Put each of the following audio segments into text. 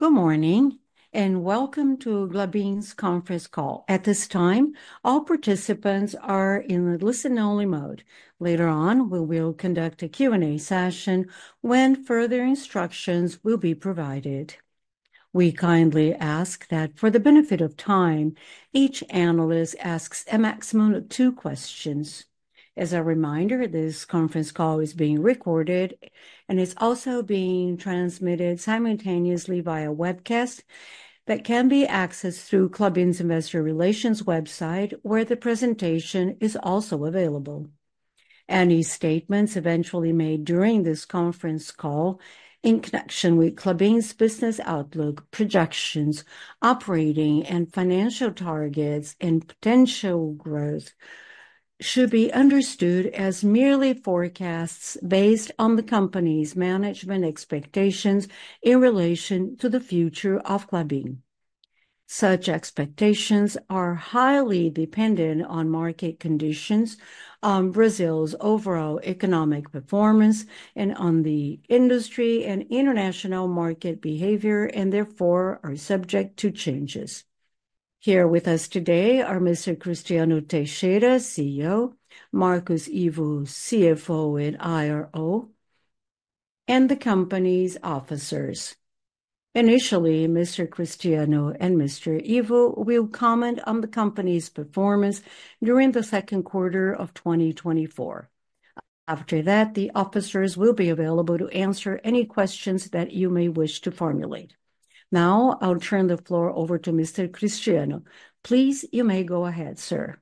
Good morning, and welcome to Klabin's conference call. At this time, all participants are in a listen-only mode. Later on, we will conduct a Q&A session when further instructions will be provided. We kindly ask that for the benefit of time, each analyst asks a maximum of two questions. As a reminder, this conference call is being recorded, and it's also being transmitted simultaneously via webcast that can be accessed through Klabin's Investor Relations website, where the presentation is also available. Any statements eventually made during this conference call in connection with Klabin's business outlook, projections, operating and financial targets, and potential growth should be understood as merely forecasts based on the company's management expectations in relation to the future of Klabin. Such expectations are highly dependent on market conditions, on Brazil's overall economic performance, and on the industry and international market behavior, and therefore, are subject to changes. Here with us today are Mr. Cristiano Teixeira, CEO; Marcos Ivo, CFO and IRO; and the company's officers. Initially, Mr. Cristiano and Mr. Ivo will comment on the company's performance during the Q2 of 2024. After that, the officers will be available to answer any questions that you may wish to formulate. Now, I'll turn the floor over to Mr. Cristiano. Please, you may go ahead, sir.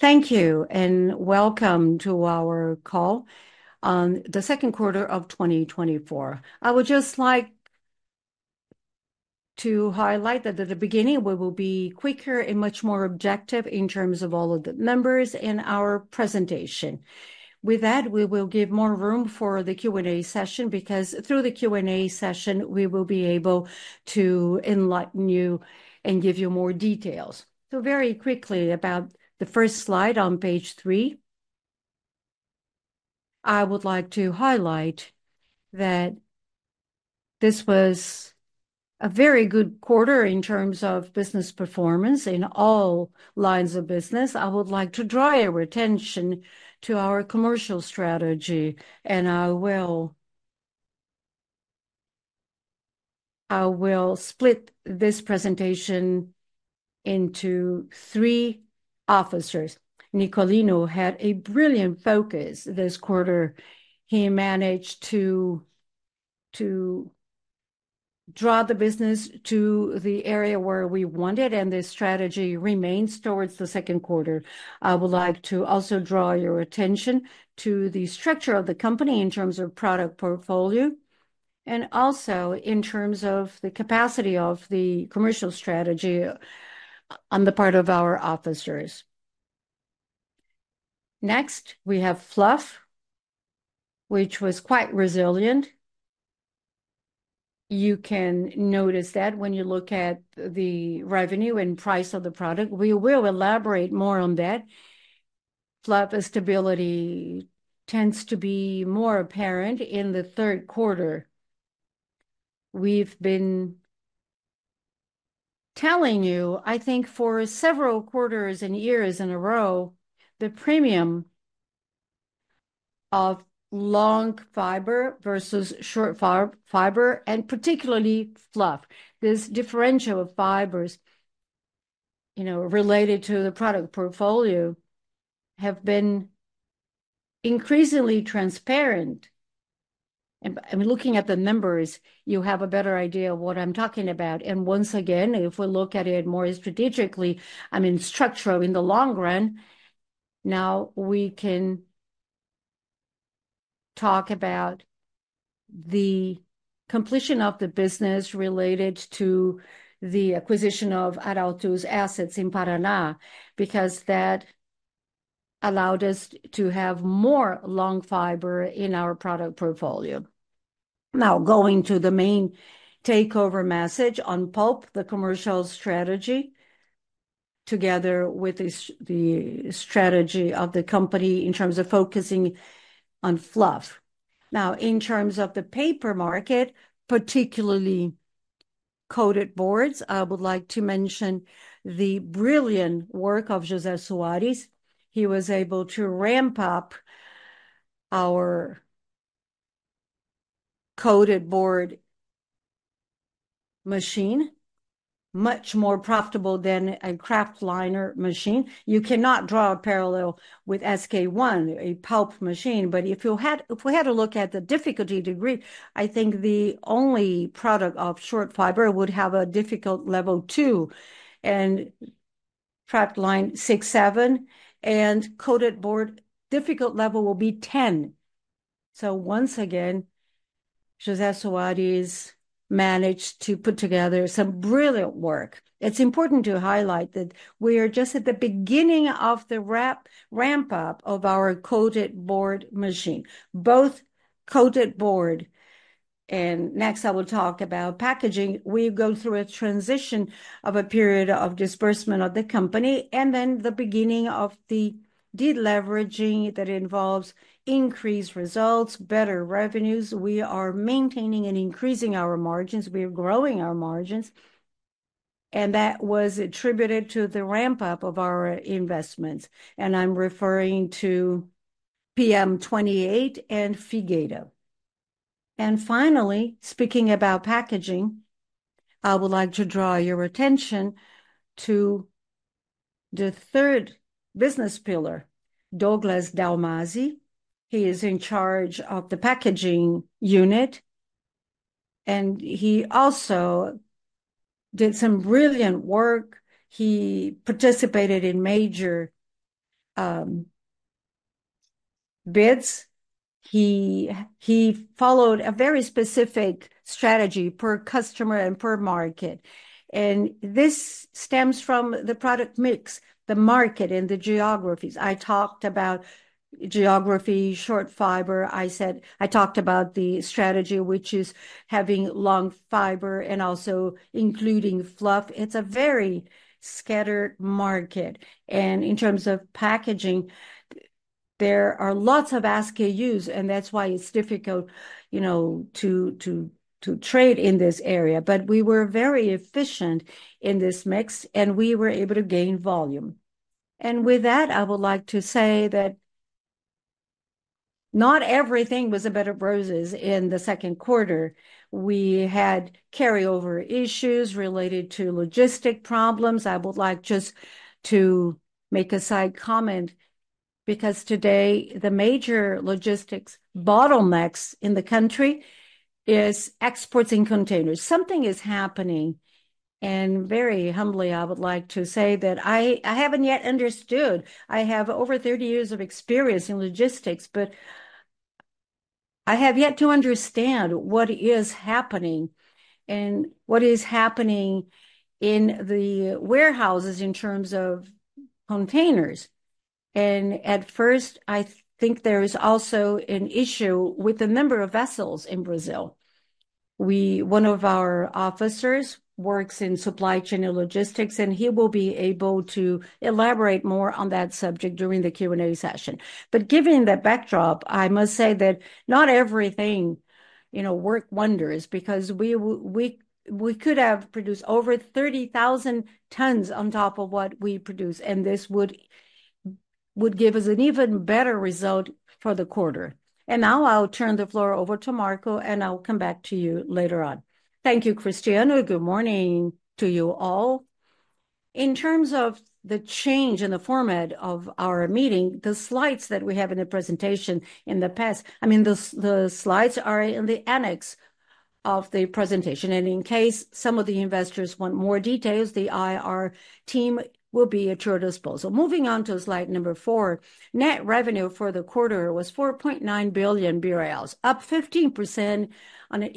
Thank you, and welcome to our call on the Q2 of 2024. I would just like to highlight that at the beginning, we will be quicker and much more objective in terms of all of the members in our presentation. With that, we will give more room for the Q&A session, because through the Q&A session, we will be able to enlighten you and give you more details. So very quickly, about the first slide on page three, I would like to highlight that this was a very good quarter in terms of business performance in all lines of business. I would like to draw your attention to our commercial strategy, and I will, I will split this presentation into three officers. Nicolino had a brilliant focus this quarter. He managed to, to draw the business to the area where we wanted, and this strategy remains towards the Q2. I would like to also draw your attention to the structure of the company in terms of product portfolio, and also in terms of the capacity of the commercial strategy on the part of our officers. Next, we have fluff, which was quite resilient. You can notice that when you look at the revenue and price of the product. We will elaborate more on that. Fluff stability tends to be more apparent in the Q3. We've been telling you, I think, for several quarters and years in a row, the premium of long fiber versus short fiber, and particularly fluff. This differential of fibers, you know, related to the product portfolio, have been increasingly transparent. Looking at the numbers, you have a better idea of what I'm talking about. And once again, if we look at it more strategically, I mean, structural in the long run, now we can talk about the completion of the business related to the acquisition of Arauco's assets in Paraná, because that allowed us to have more long fiber in our product portfolio. Now, going to the main takeover message on pulp, the commercial strategy, together with the strategy of the company in terms of focusing on fluff. Now, in terms of the paper market, particularly coated boards, I would like to mention the brilliant work of José Soares. He was able to ramp up our coated board machine, much more profitable than a kraftliner machine. You cannot draw a parallel with SK1, a pulp machine, but if we had a look at the difficulty degree, I think the only product of short fiber would have a difficult level two, and kraftliner six, seven, and coated board difficult level will be 10. So once again, José Soares managed to put together some brilliant work. It's important to highlight that we are just at the beginning of the ramp-up of our coated board machine. Both coated board, and next I will talk about packaging, we go through a transition of a period of disbursement of the company, and then the beginning of the-... Deleveraging that involves increased results, better revenues. We are maintaining and increasing our margins, we are growing our margins, and that was attributed to the ramp-up of our investments, and I'm referring to PM28 and Figueira. And finally, speaking about packaging, I would like to draw your attention to the third business pillar, Douglas Dalmazzi. He is in charge of the packaging unit, and he also did some brilliant work. He participated in major bids. He followed a very specific strategy per customer and per market, and this stems from the product mix, the market, and the geographies. I talked about geography, short fiber. I talked about the strategy, which is having long fiber and also including fluff. It's a very scattered market, and in terms of packaging, there are lots of SKUs, and that's why it's difficult, you know, to, to, to trade in this area. But we were very efficient in this mix, and we were able to gain volume. And with that, I would like to say that not everything was a bed of roses in the Q2. We had carryover issues related to logistic problems. I would like just to make a side comment, because today, the major logistics bottlenecks in the country is exports in containers. Something is happening, and very humbly, I would like to say that I, I haven't yet understood. I have over 30 years of experience in logistics, but I have yet to understand what is happening, and what is happening in the warehouses in terms of containers. And at first, I think there is also an issue with the number of vessels in Brazil. One of our officers works in supply chain and logistics, and he will be able to elaborate more on that subject during the Q&A session. But given the backdrop, I must say that not everything, you know, work wonders, because we could have produced over 30,000 tons on top of what we produce, and this would give us an even better result for the quarter. And now I'll turn the floor over to Marco, and I'll come back to you later on. Thank you, Cristiano. Good morning to you all. In terms of the change in the format of our meeting, the slides that we have in the presentation in the past... I mean, the slides are in the annex of the presentation, and in case some of the investors want more details, the IR team will be at your disposal. Moving on to slide number 4, net revenue for the quarter was 4.9 billion BRL, up 15% on a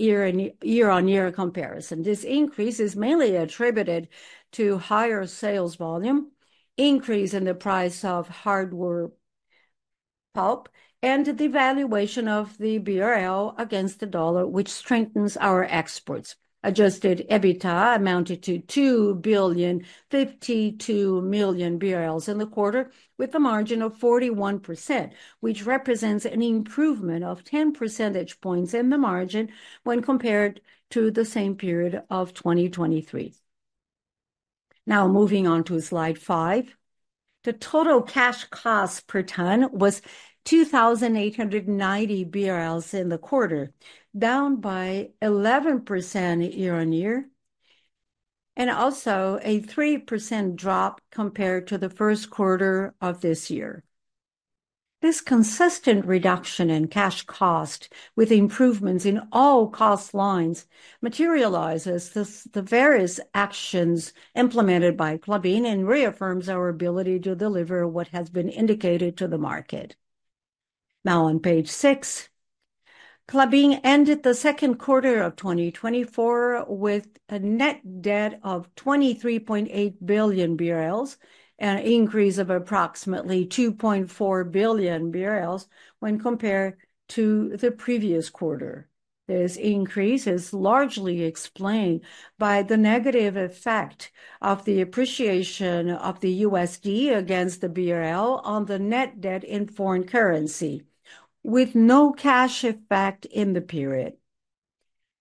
year-on-year comparison. This increase is mainly attributed to higher sales volume, increase in the price of hardwood pulp, and the valuation of the BRL against the dollar, which strengthens our exports. Adjusted EBITDA amounted to 2.052 billion in the quarter, with a margin of 41%, which represents an improvement of 10 percentage points in the margin when compared to the same period of 2023. Now, moving on to slide 5. The total cash cost per ton was 2,890 BRL in the quarter, down by 11% year-over-year, and also a 3% drop compared to the Q1 of this year. This consistent reduction in cash cost, with improvements in all cost lines, materializes the various actions implemented by Klabin and reaffirms our ability to deliver what has been indicated to the market. Now, on page six, Klabin ended the Q2 of 2024 with a net debt of 23.8 billion BRL, an increase of approximately 2.4 billion BRL when compared to the previous quarter. This increase is largely explained by the negative effect of the appreciation of the USD against the BRL on the net debt in foreign currency, with no cash effect in the period,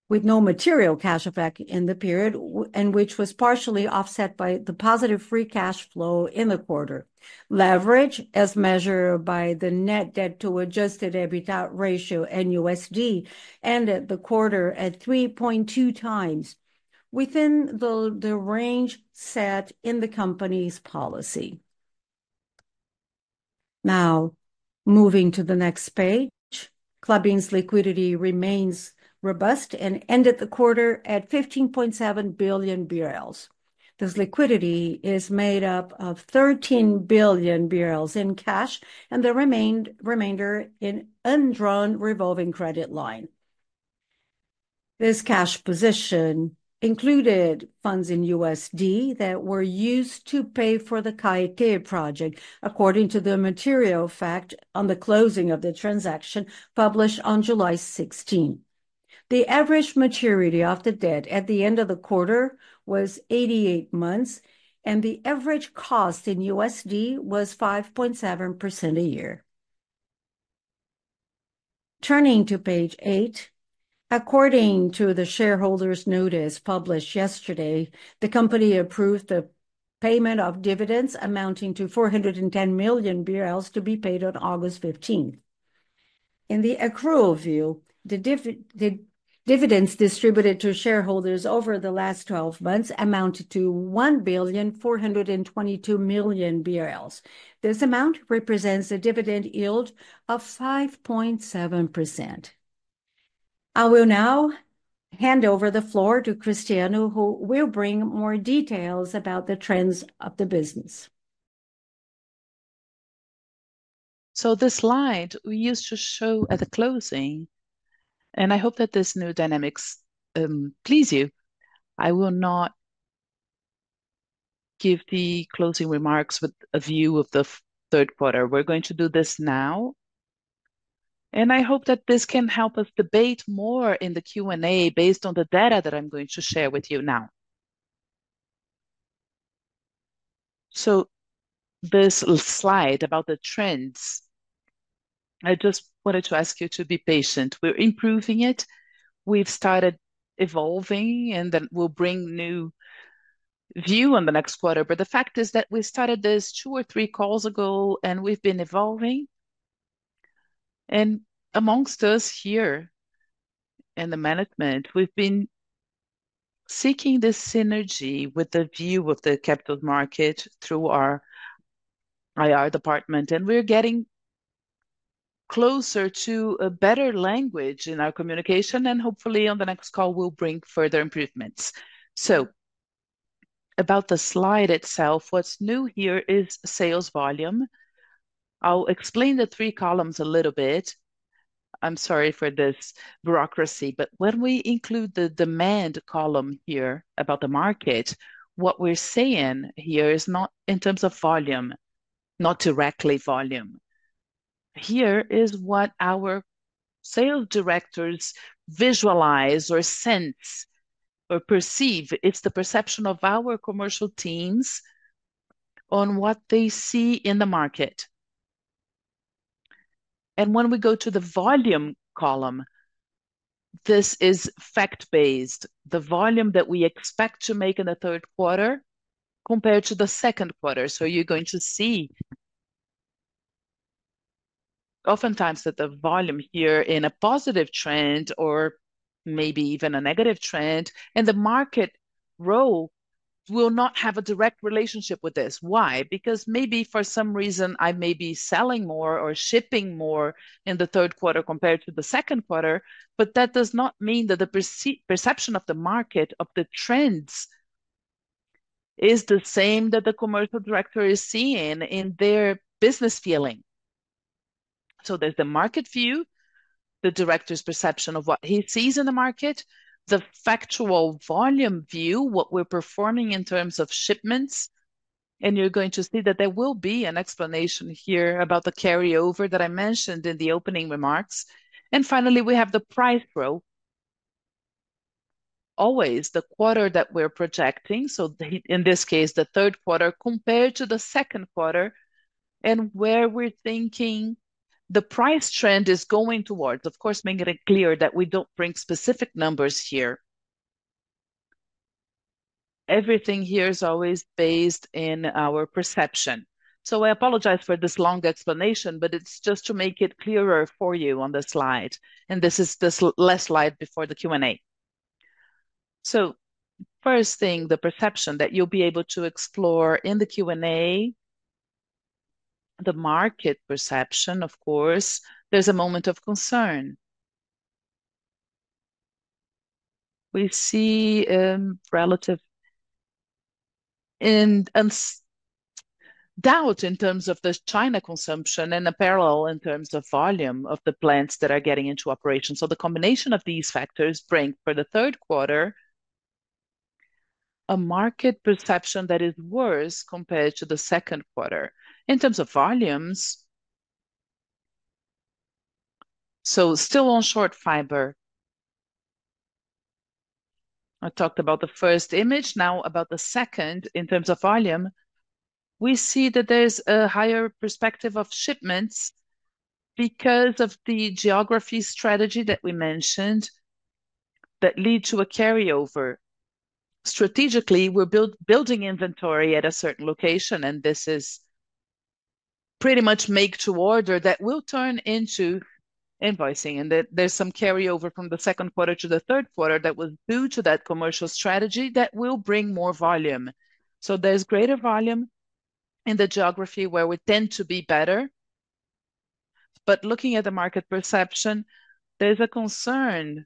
with no material cash effect in the period, and which was partially offset by the positive free cash flow in the quarter. Leverage, as measured by the net debt to Adjusted EBITDA ratio in USD, ended the quarter at 3.2 times, within the range set in the company's policy. Now, moving to the next page, Klabin's liquidity remains robust and ended the quarter at 15.7 billion BRL. This liquidity is made up of 13 billion BRL in cash, and the remainder in undrawn revolving credit line. This cash position included funds in USD that were used to pay for the Caetê project, according to the material fact on the closing of the transaction, published on July 16. The average maturity of the debt at the end of the quarter was 88 months, and the average cost in USD was 5.7% a year. Turning to page 8, according to the shareholders' notice published yesterday, the company approved the payment of dividends amounting to 410 million BRL to be paid on August 15. In the accrual view, the dividends distributed to shareholders over the last 12 months amounted to 1.422 billion. This amount represents a dividend yield of 5.7%. I will now hand over the floor to Cristiano, who will bring more details about the trends of the business. So this slide we used to show at the closing, and I hope that this new dynamics, please you. I will not give the closing remarks with a view of the Q3. We're going to do this now, and I hope that this can help us debate more in the Q&A based on the data that I'm going to share with you now. So this slide about the trends, I just wanted to ask you to be patient. We're improving it. We've started evolving, and then we'll bring new view on the next quarter. But the fact is that we started this two or three calls ago, and we've been evolving. Among us here in the management, we've been seeking this synergy with the view of the capital market through our IR department, and we're getting closer to a better language in our communication, and hopefully, on the next call we'll bring further improvements. About the slide itself, what's new here is sales volume. I'll explain the three columns a little bit. I'm sorry for this bureaucracy, but when we include the demand column here about the market, what we're saying here is not in terms of volume, not directly volume. Here is what our sales directors visualize, or sense, or perceive. It's the perception of our commercial teams on what they see in the market. When we go to the volume column, this is fact-based, the volume that we expect to make in the Q3 compared to the Q2. So you're going to see oftentimes that the volume here in a positive trend or maybe even a negative trend, and the market row will not have a direct relationship with this. Why? Because maybe for some reason, I may be selling more or shipping more in the Q3 compared to the Q2, but that does not mean that the perception of the market, of the trends is the same that the commercial director is seeing in their business feeling. So there's the market view, the director's perception of what he sees in the market, the factual volume view, what we're performing in terms of shipments, and you're going to see that there will be an explanation here about the carryover that I mentioned in the opening remarks. And finally, we have the price row. Always the quarter that we're projecting, so the... In this case, the Q3 compared to the Q2, and where we're thinking the price trend is going towards. Of course, making it clear that we don't bring specific numbers here. Everything here is always based in our perception. So I apologize for this long explanation, but it's just to make it clearer for you on the slide, and this is the last slide before the Q&A. So first thing, the perception that you'll be able to explore in the Q&A, the market perception, of course, there's a moment of concern. We see relative and doubt in terms of the China consumption and paper in terms of volume of the plants that are getting into operation. So the combination of these factors bring, for the Q3, a market perception that is worse compared to the Q2. In terms of volumes... So still on short fiber, I talked about the first image, now about the second. In terms of volume, we see that there's a higher perspective of shipments because of the geography strategy that we mentioned that lead to a carryover. Strategically, we're building inventory at a certain location, and this is pretty much make to order that will turn into invoicing, and there, there's some carryover from the Q2 to the Q3 that was due to that commercial strategy that will bring more volume. So there's greater volume in the geography where we tend to be better, but looking at the market perception, there's a concern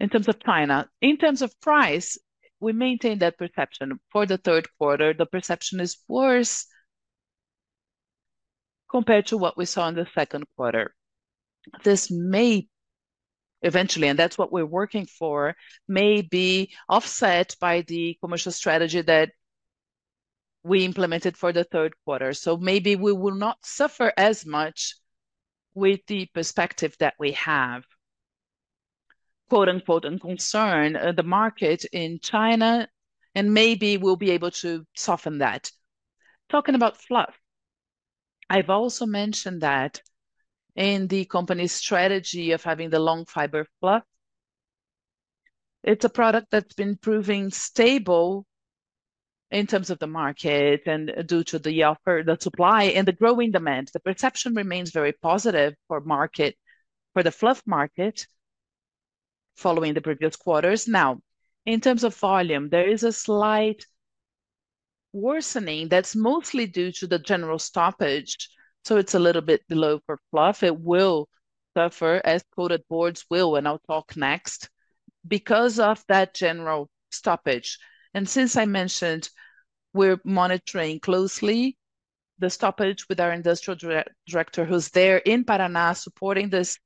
in terms of China. In terms of price, we maintain that perception. For the Q3, the perception is worse compared to what we saw in the Q2. This may eventually, and that's what we're working for, may be offset by the commercial strategy that we implemented for the Q3. So maybe we will not suffer as much with the perspective that we have, quote, unquote, "and concern" the market in China, and maybe we'll be able to soften that. Talking about fluff, I've also mentioned that in the company's strategy of having the long fiber fluff, it's a product that's been proving stable in terms of the market and due to the offer, the supply, and the growing demand. The perception remains very positive for market, for the fluff market, following the previous quarters. Now, in terms of volume, there is a slight worsening that's mostly due to the general stoppage, so it's a little bit below for fluff. It will suffer, as coated boards will, and I'll talk next, because of that general stoppage. Since I mentioned we're monitoring closely the stoppage with our industrial director, who's there in Paraná supporting this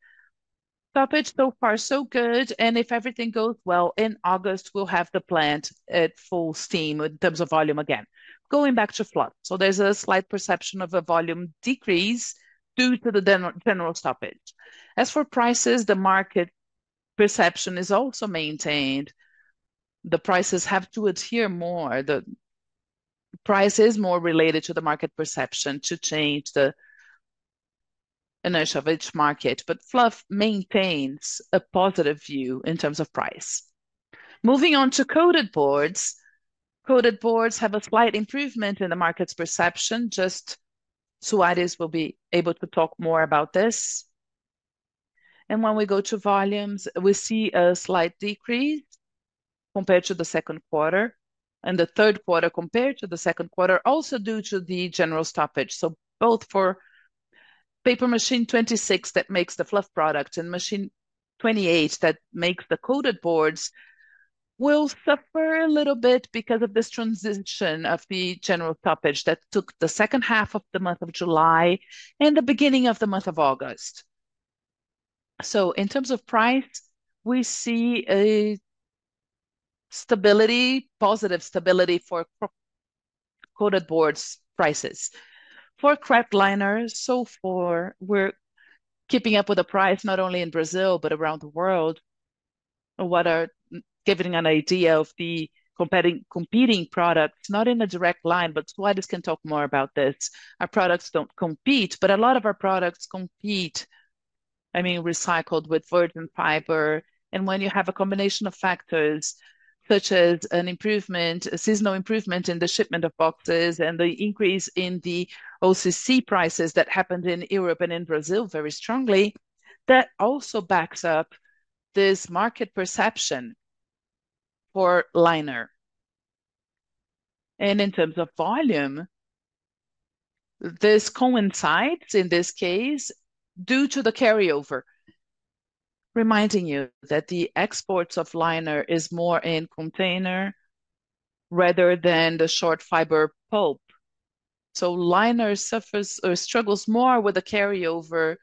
stoppage. So far, so good, and if everything goes well, in August, we'll have the plant at full steam in terms of volume again. Going back to fluff, so there's a slight perception of a volume decrease due to the general stoppage. As for prices, the market perception is also maintained. The prices have to adhere more. The price is more related to the market perception to change the inertia of each market, but fluff maintains a positive view in terms of price. Moving on to coated boards. Coated boards have a slight improvement in the market's perception, just Soares will be able to talk more about this. When we go to volumes, we see a slight decrease compared to the Q2, and the Q3 compared to the Q2, also due to the general stoppage. Both for paper machine 26, that makes the fluff product, and machine 28, that makes the coated boards, will suffer a little bit because of this transition of the general stoppage that took the second half of the month of July and the beginning of the month of August. In terms of price, we see a stability, positive stability for coated boards prices. For kraft liners, so far we're keeping up with the price not only in Brazil, but around the world. What are... giving an idea of the competing, competing products, not in a direct line, but Suares can talk more about this. Our products don't compete, but a lot of our products compete, I mean, recycled with virgin fiber. And when you have a combination of factors, such as an improvement, a seasonal improvement in the shipment of boxes and the increase in the OCC prices that happened in Europe and in Brazil very strongly, that also backs up this market perception for liner. And in terms of volume, this coincides, in this case, due to the carryover, reminding you that the exports of liner is more in container rather than the short fiber pulp. So liner suffers or struggles more with the carryover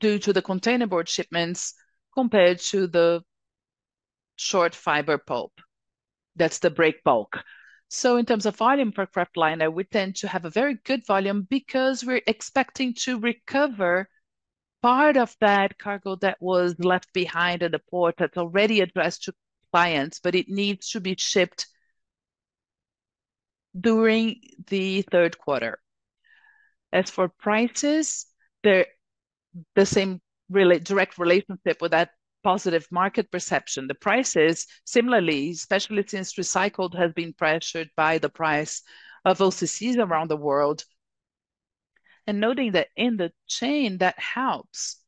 due to the container board shipments compared to the short fiber pulp. That's the break bulk. So in terms of volume for Kraftliner, we tend to have a very good volume because we're expecting to recover part of that cargo that was left behind at the port that's already addressed to clients, but it needs to be shipped during the Q3. As for prices, they're the same relative direct relationship with that positive market perception. The prices, similarly, especially since recycled, have been pressured by the price of OCCs around the world. And noting that in the chain, that helps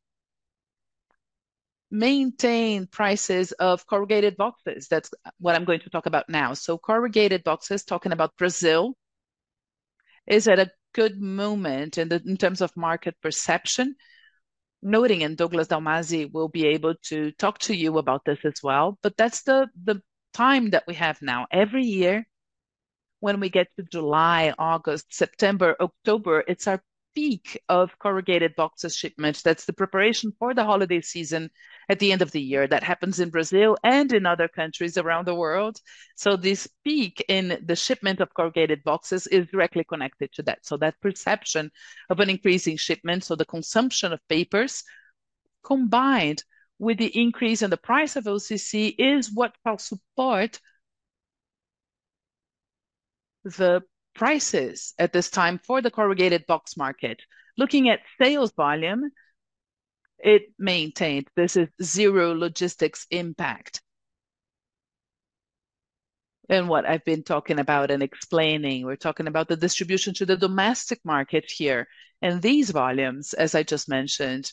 maintain prices of corrugated boxes. That's what I'm going to talk about now. So corrugated boxes, talking about Brazil, is at a good moment in terms of market perception. Noting, and Douglas Dalmazzi will be able to talk to you about this as well, but that's the time that we have now. Every year, when we get to July, August, September, October, it's our peak of corrugated boxes shipments. That's the preparation for the holiday season at the end of the year. That happens in Brazil and in other countries around the world. So this peak in the shipment of corrugated boxes is directly connected to that. So that perception of an increasing shipment, so the consumption of papers, combined with the increase in the price of OCC, is what helps support the prices at this time for the corrugated box market. Looking at sales volume, it maintained. This is zero logistics impact. What I've been talking about and explaining, we're talking about the distribution to the domestic market here. These volumes, as I just mentioned,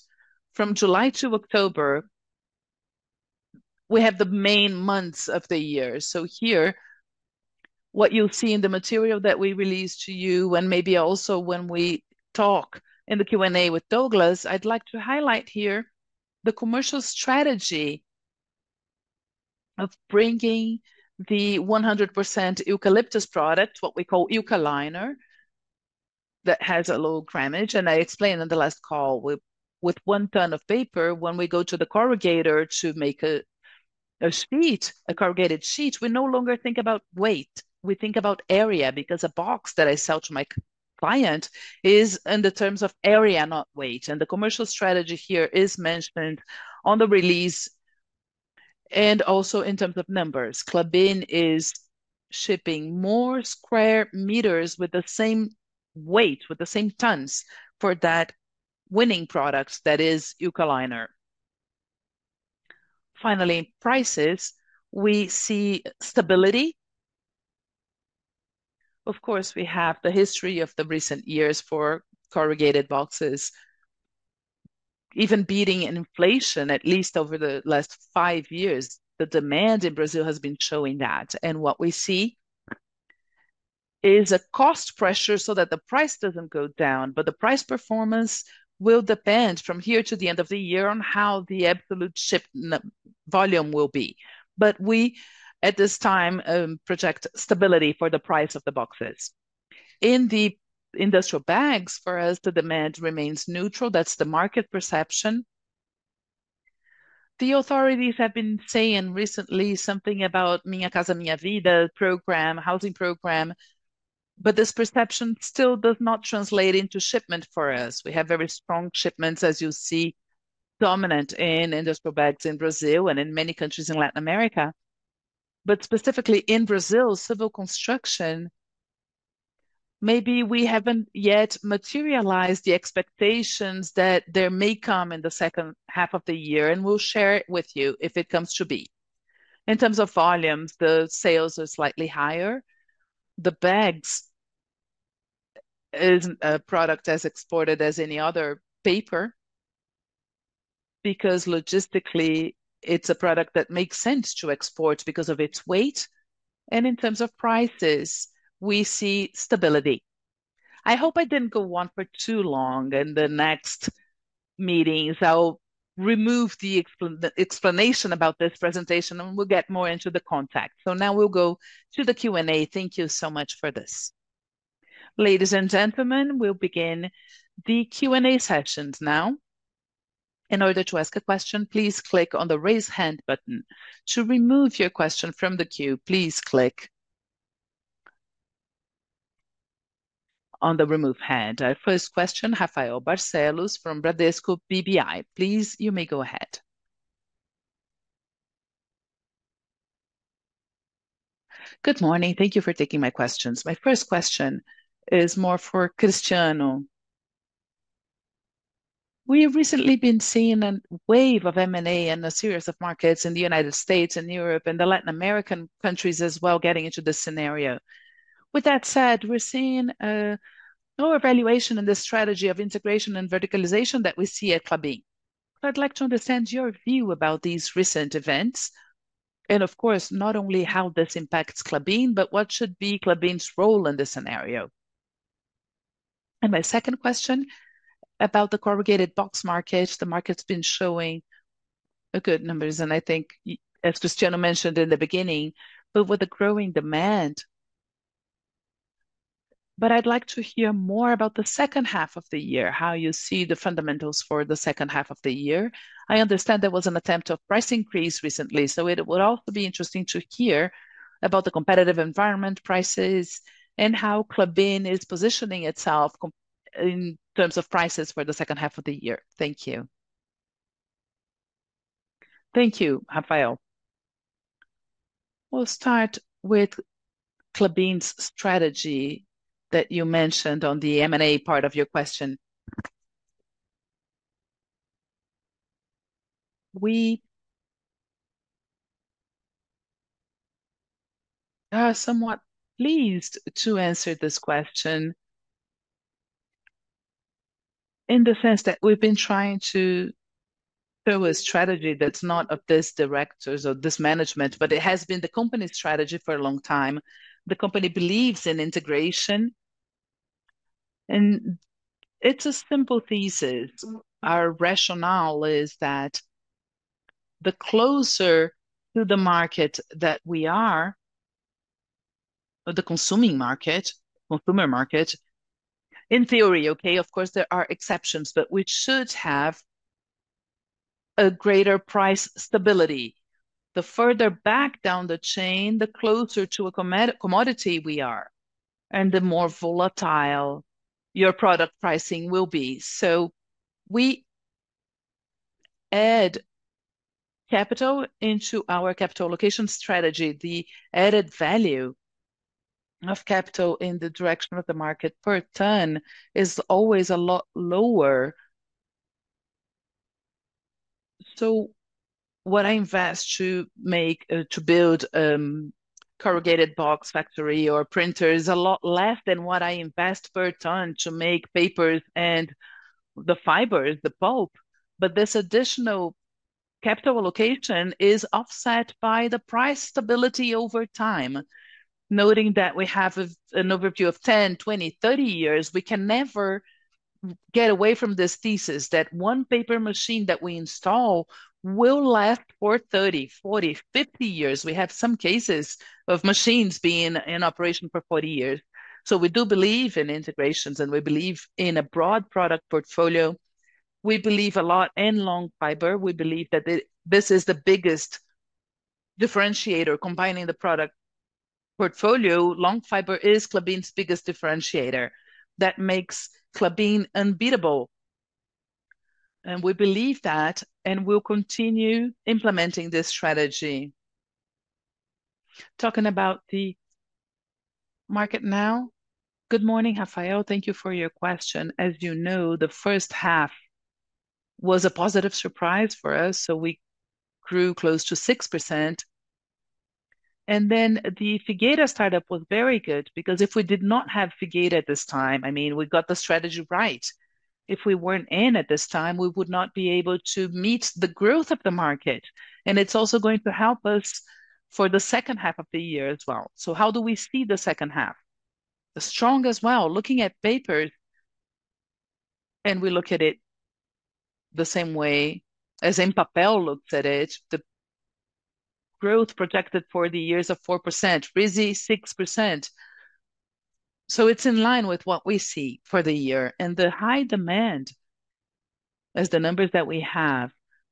from July to October, we have the main months of the year. So here, what you'll see in the material that we released to you, and maybe also when we talk in the Q&A with Douglas, I'd like to highlight here the commercial strategy of bringing the 100% eucalyptus product, what we call Eucaliner... that has a low grammage, and I explained on the last call, with 1 ton of paper, when we go to the corrugator to make a sheet, a corrugated sheet, we no longer think about weight. We think about area, because a box that I sell to my client is in the terms of area, not weight, and the commercial strategy here is mentioned on the release and also in terms of numbers. Klabin is shipping more square meters with the same weight, with the same tons for that winning products, that is Eucaliner. Finally, prices, we see stability. Of course, we have the history of the recent years for corrugated boxes, even beating inflation at least over the last five years. The demand in Brazil has been showing that, and what we see is a cost pressure so that the price doesn't go down. But the price performance will depend from here to the end of the year on how the absolute shipment volume will be. But we, at this time, project stability for the price of the boxes. In the industrial bags, for us, the demand remains neutral. That's the market perception. The authorities have been saying recently something about Minha Casa, Minha Vida program, housing program, but this perception still does not translate into shipment for us. We have very strong shipments, as you see, dominant in industrial bags in Brazil and in many countries in Latin America. Specifically in Brazil, civil construction, maybe we haven't yet materialized the expectations that there may come in the second half of the year, and we'll share it with you if it comes to be. In terms of volumes, the sales are slightly higher. The bags isn't a product as exported as any other paper, because logistically it's a product that makes sense to export because of its weight, and in terms of prices, we see stability. I hope I didn't go on for too long. In the next meetings I'll remove the explanation about this presentation, and we'll get more into the content. So now we'll go to the Q&A. Thank you so much for this. Ladies and gentlemen, we'll begin the Q&A sessions now. In order to ask a question, please click on the Raise Hand button. To remove your question from the queue, please click on the Remove Hand. Our first question, Rafael Barcellos from Bradesco BBI. Please, you may go ahead. Good morning. Thank you for taking my questions. My first question is more for Cristiano. We have recently been seeing a wave of M&A in a series of markets in the United States and Europe and the Latin American countries as well, getting into this scenario. With that said, we're seeing lower valuation in the strategy of integration and verticalization that we see at Klabin. I'd like to understand your view about these recent events, and of course, not only how this impacts Klabin, but what should be Klabin's role in this scenario? And my second question, about the corrugated box market. The market's been showing a good numbers, and I think as Cristiano mentioned in the beginning, but with the growing demand... But I'd like to hear more about the second half of the year, how you see the fundamentals for the second half of the year. I understand there was an attempt of price increase recently, so it would also be interesting to hear about the competitive environment prices and how Klabin is positioning itself in terms of prices for the second half of the year. Thank you. Thank you, Rafael. We'll start with Klabin's strategy that you mentioned on the M&A part of your question. We are somewhat pleased to answer this question in the sense that we've been trying to build a strategy that's not of this directors or this management, but it has been the company's strategy for a long time. The company believes in integration, and it's a simple thesis. Our rationale is that the closer to the market that we are, or the consuming market, consumer market, in theory, okay, of course there are exceptions, but we should have a greater price stability. The further back down the chain, the closer to a commodity we are, and the more volatile your product pricing will be. So we add capital into our capital allocation strategy. The added value of capital in the direction of the market per ton is always a lot lower. So what I invest to make, to build, corrugated box factory or printer, is a lot less than what I invest per ton to make paper and the fiber, the pulp. But this additional capital allocation is offset by the price stability over time, noting that we have a, an overview of 10, 20, 30 years, we can never get away from this thesis, that one paper machine that we install will last for 30, 40, 50 years. We have some cases of machines being in operation for 40 years. So we do believe in integrations, and we believe in a broad product portfolio. We believe a lot in long fiber. We believe that this is the biggest differentiator. Combining the product portfolio, long fiber is Klabin's biggest differentiator that makes Klabin unbeatable, and we believe that, and we'll continue implementing this strategy. Talking about the market now, good morning, Rafael, thank you for your question. As you know, the first half was a positive surprise for us, so we grew close to 6%. Then the Figueira startup was very good, because if we did not have Figueira at this time... I mean, we got the strategy right. If we weren't in at this time, we would not be able to meet the growth of the market, and it's also going to help us for the second half of the year as well. So how do we see the second half? As strong as well. Looking at paper, and we look at it the same way as Empapel looked at it, the growth projected for the year is a 4%, RISI, 6%. So it's in line with what we see for the year. And the high demand, as the numbers that we have,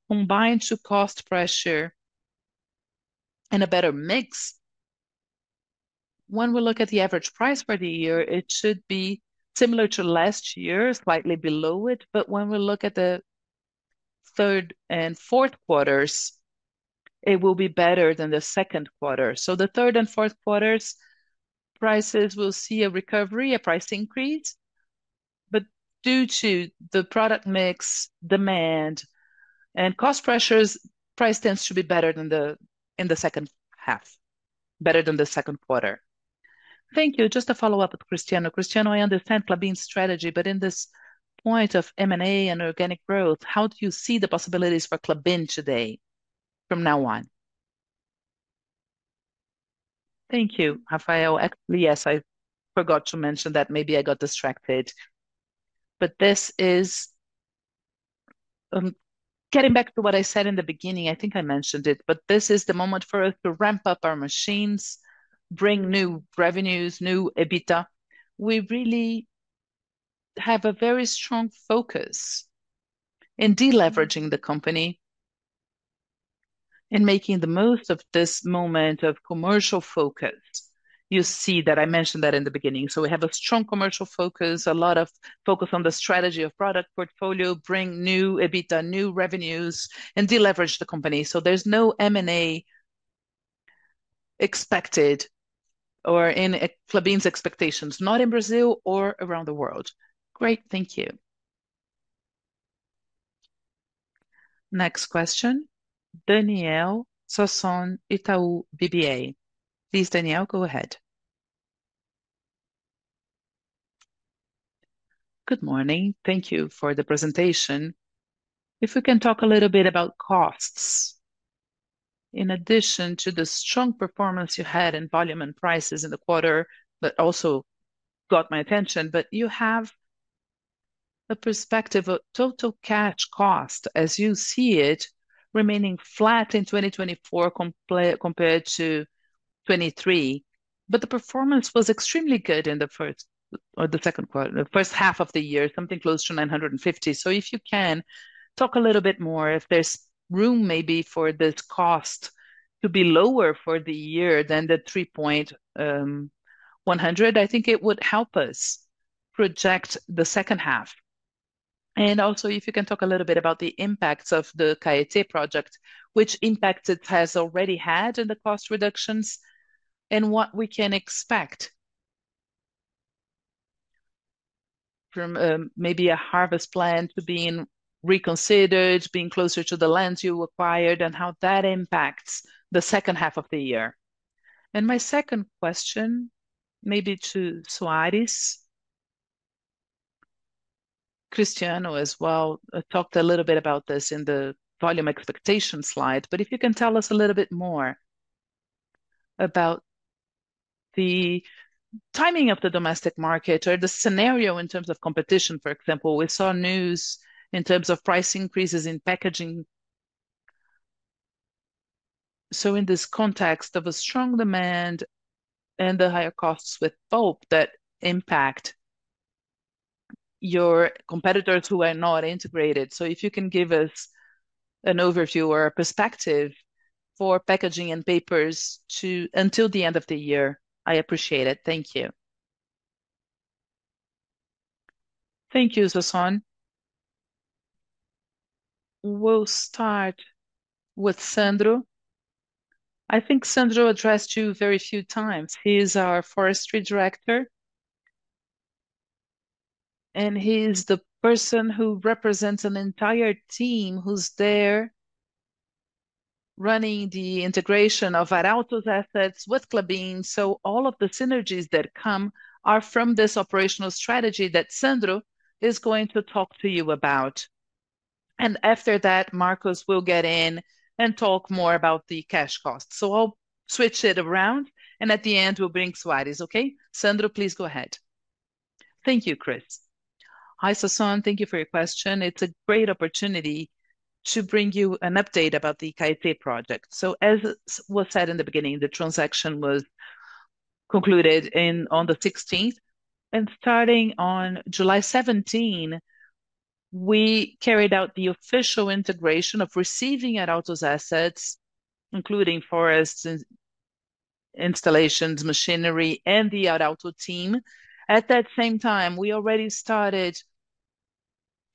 combined to cost pressure and a better mix, when we look at the average price for the year, it should be similar to last year, slightly below it. But when we look at the third and Q4s, it will be better than the Q2. So the third and Q4s' prices will see a recovery, a price increase. But due to the product mix, demand, and cost pressures, price tends to be better than the, in the second half, better than the Q2. Thank you. Just a follow-up with Cristiano. Cristiano, I understand Klabin's strategy, but in this point of M&A and organic growth, how do you see the possibilities for Klabin today from now on? Thank you, Rafael. Actually, yes, I forgot to mention that. Maybe I got distracted. But this is... getting back to what I said in the beginning, I think I mentioned it, but this is the moment for us to ramp up our machines, bring new revenues, new EBITDA. We really have a very strong focus in de-leveraging the company and making the most of this moment of commercial focus. You see that I mentioned that in the beginning. So we have a strong commercial focus, a lot of focus on the strategy of product portfolio, bring new EBITDA, new revenues, and de-leverage the company. So there's no M&A expected or in Klabin's expectations, not in Brazil or around the world. Great. Thank you. Next question, Daniel Sasson, Itaú BBA. Please, Danielle, go ahead. Good morning. Thank you for the presentation. If we can talk a little bit about costs, in addition to the strong performance you had in volume and prices in the quarter, that also got my attention. But you have the perspective of total cash cost as you see it remaining flat in 2024 compared to 2023, but the performance was extremely good in the first, or the Q2, the first half of the year, something close to 950. So if you can talk a little bit more, if there's room maybe for this cost to be lower for the year than the 3,100, I think it would help us project the second half. And also, if you can talk a little bit about the impacts of the Caeté project, which impact it has already had in the cost reductions, and what we can expect from maybe a harvest plan being reconsidered, being closer to the lands you acquired, and how that impacts the second half of the year. My second question, maybe to Soares, Cristiano as well, talked a little bit about this in the volume expectation slide. But if you can tell us a little bit more about the timing of the domestic market or the scenario in terms of competition. For example, we saw news in terms of price increases in packaging. So in this context of a strong demand and the higher costs with pulp that impact your competitors who are not integrated. So if you can give us an overview or a perspective for packaging and papers to, until the end of the year, I appreciate it. Thank you. Thank you, Sasson. We'll start with Sandro. I think Sandro addressed you very few times. He is our forestry director, and he is the person who represents an entire team who's there running the integration of Arauco's assets with Klabin. So all of the synergies that come are from this operational strategy that Sandro is going to talk to you about.... and after that, Marcos will get in and talk more about the cash costs. So I'll switch it around, and at the end, we'll bring Soares, okay? Sandro, please go ahead. Thank you, Cris. Hi, Sasson, thank you for your question. It's a great opportunity to bring you an update about the Caeté project. So as was said in the beginning, the transaction was concluded on the 16th, and starting on July 17, we carried out the official integration of receiving Arauco's assets, including forests and installations, machinery, and the Arauco team. At that same time, we already started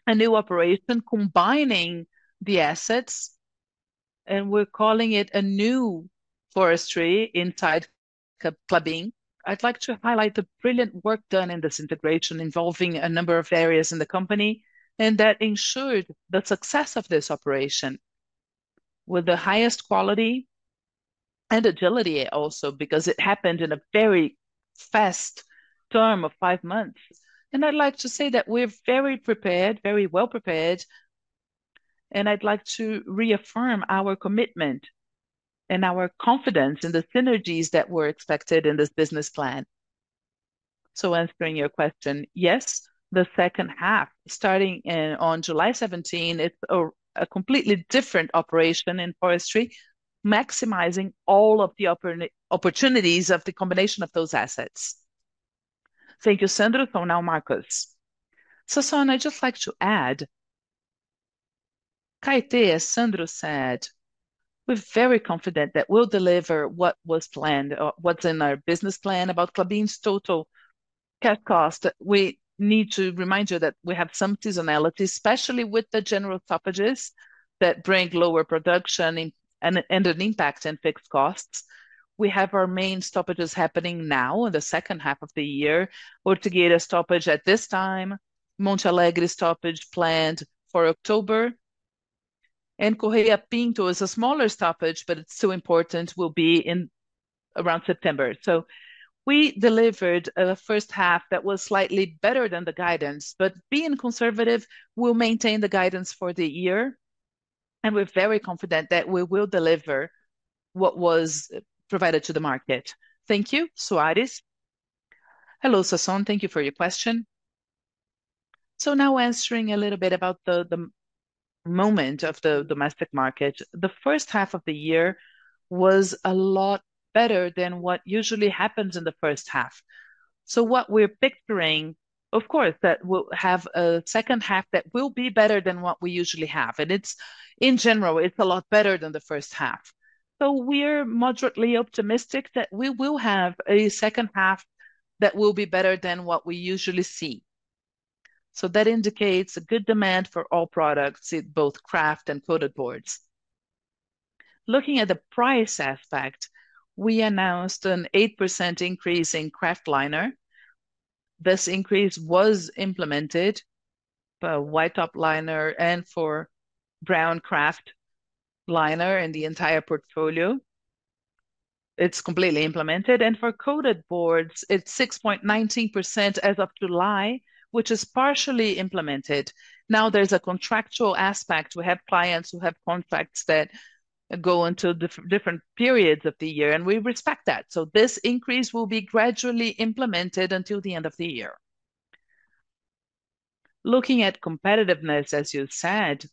a new operation combining the assets, and we're calling it a new forestry inside Klabin. I'd like to highlight the brilliant work done in this integration, involving a number of areas in the company, and that ensured the success of this operation with the highest quality and agility also, because it happened in a very fast term of five months. And I'd like to say that we're very prepared, very well-prepared, and I'd like to reaffirm our commitment and our confidence in the synergies that were expected in this business plan. So answering your question, yes, the second half, starting on July 17, it's a completely different operation in forestry, maximizing all of the opportunities of the combination of those assets. Thank you, Sandro. So now, Marcos. Sasson, I'd just like to add, Caeté, as Sandro said, we're very confident that we'll deliver what was planned, or what's in our business plan about Klabin's total cash cost. We need to remind you that we have some seasonality, especially with the general stoppages that bring lower production and an impact in fixed costs. We have our main stoppages happening now in the second half of the year. Ortigueira stoppage at this time, Monte Alegre stoppage planned for October, and Correia Pinto is a smaller stoppage, but it's still important, will be in around September. So we delivered a first half that was slightly better than the guidance, but being conservative, we'll maintain the guidance for the year, and we're very confident that we will deliver what was provided to the market. Thank you. Soares? Hello, Sasson, thank you for your question. So now answering a little bit about the moment of the domestic market, the first half of the year was a lot better than what usually happens in the first half. So what we're picturing, of course, that we'll have a second half that will be better than what we usually have, and it's... In general, it's a lot better than the first half. So we're moderately optimistic that we will have a second half that will be better than what we usually see. So that indicates a good demand for all products in both kraft and coated boards. Looking at the price aspect, we announced an 8% increase in kraftliner. This increase was implemented for white top liner and for brown kraftliner in the entire portfolio. It's completely implemented. And for coated boards, it's 6.19% as of July, which is partially implemented. Now, there's a contractual aspect. We have clients who have contracts that go into different periods of the year, and we respect that. So this increase will be gradually implemented until the end of the year. Looking at competitiveness, as you said,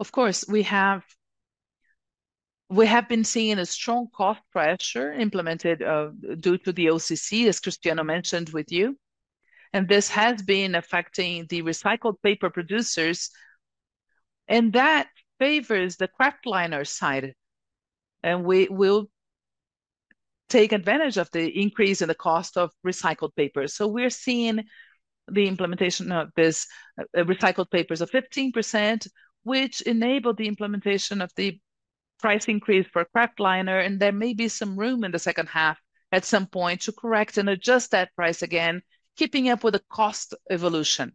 of course, we have, we have been seeing a strong cost pressure implemented, due to the OCC, as Cristiano mentioned with you, and this has been affecting the recycled paper producers, and that favors the kraft liner side, and we will take advantage of the increase in the cost of recycled paper. So we're seeing the implementation of this, recycled papers of 15%, which enabled the implementation of the price increase for kraft liner, and there may be some room in the second half at some point to correct and adjust that price again, keeping up with the cost evolution.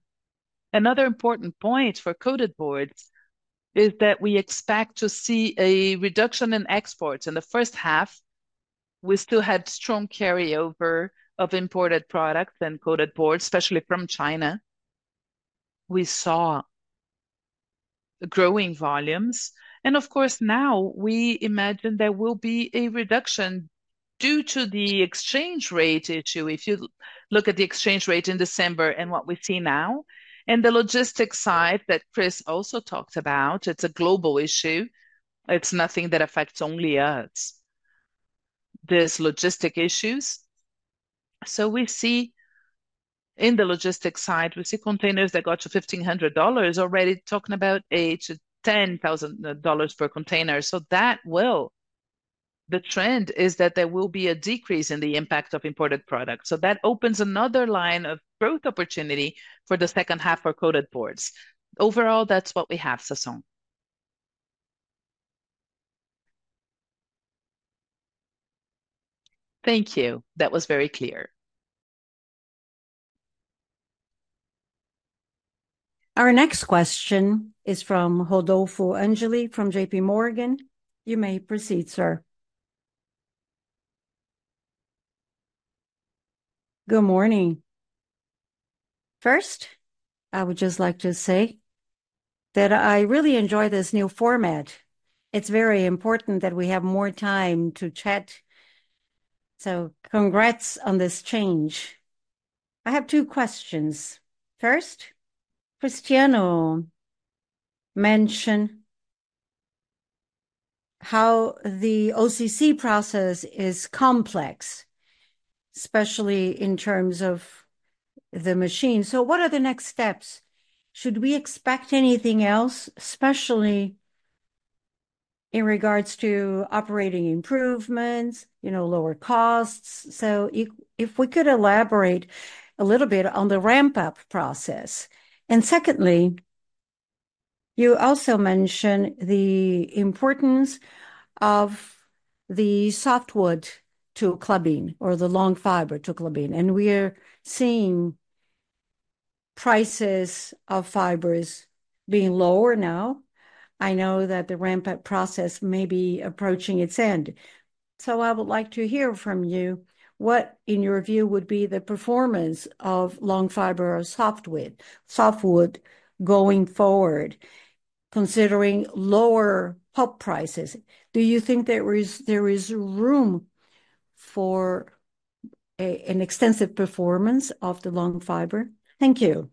Another important point for coated boards is that we expect to see a reduction in exports. In the first half, we still had strong carry-over of imported products and coated boards, especially from China. We saw growing volumes, and of course, now we imagine there will be a reduction due to the exchange rate issue, if you look at the exchange rate in December and what we see now. And the logistics side that Cris also talked about, it's a global issue. It's nothing that affects only us. There's logistics issues, so we see... In the logistics side, we see containers that got to $1,500 already, talking about $8,000-$10,000 per container. So that will. The trend is that there will be a decrease in the impact of imported products, so that opens another line of growth opportunity for the second half for coated boards. Overall, that's what we have, Sasson. Thank you. That was very clear. Our next question is from Rodolfo Angele from J.P. Morgan. You may proceed, sir... Good morning. First, I would just like to say that I really enjoy this new format. It's very important that we have more time to chat, so congrats on this change. I have two questions. First, Cristiano mentioned how the OCC process is complex, especially in terms of the machine. So what are the next steps? Should we expect anything else, especially in regards to operating improvements, you know, lower costs? So if we could elaborate a little bit on the ramp-up process. And secondly, you also mentioned the importance of the softwood to Klabin, or the long fiber to Klabin, and we're seeing prices of fibers being lower now. I know that the ramp-up process may be approaching its end, so I would like to hear from you what, in your view, would be the performance of long fiber or softwood, softwood going forward, considering lower pulp prices? Do you think there is room for an extensive performance of the long fiber? Thank you.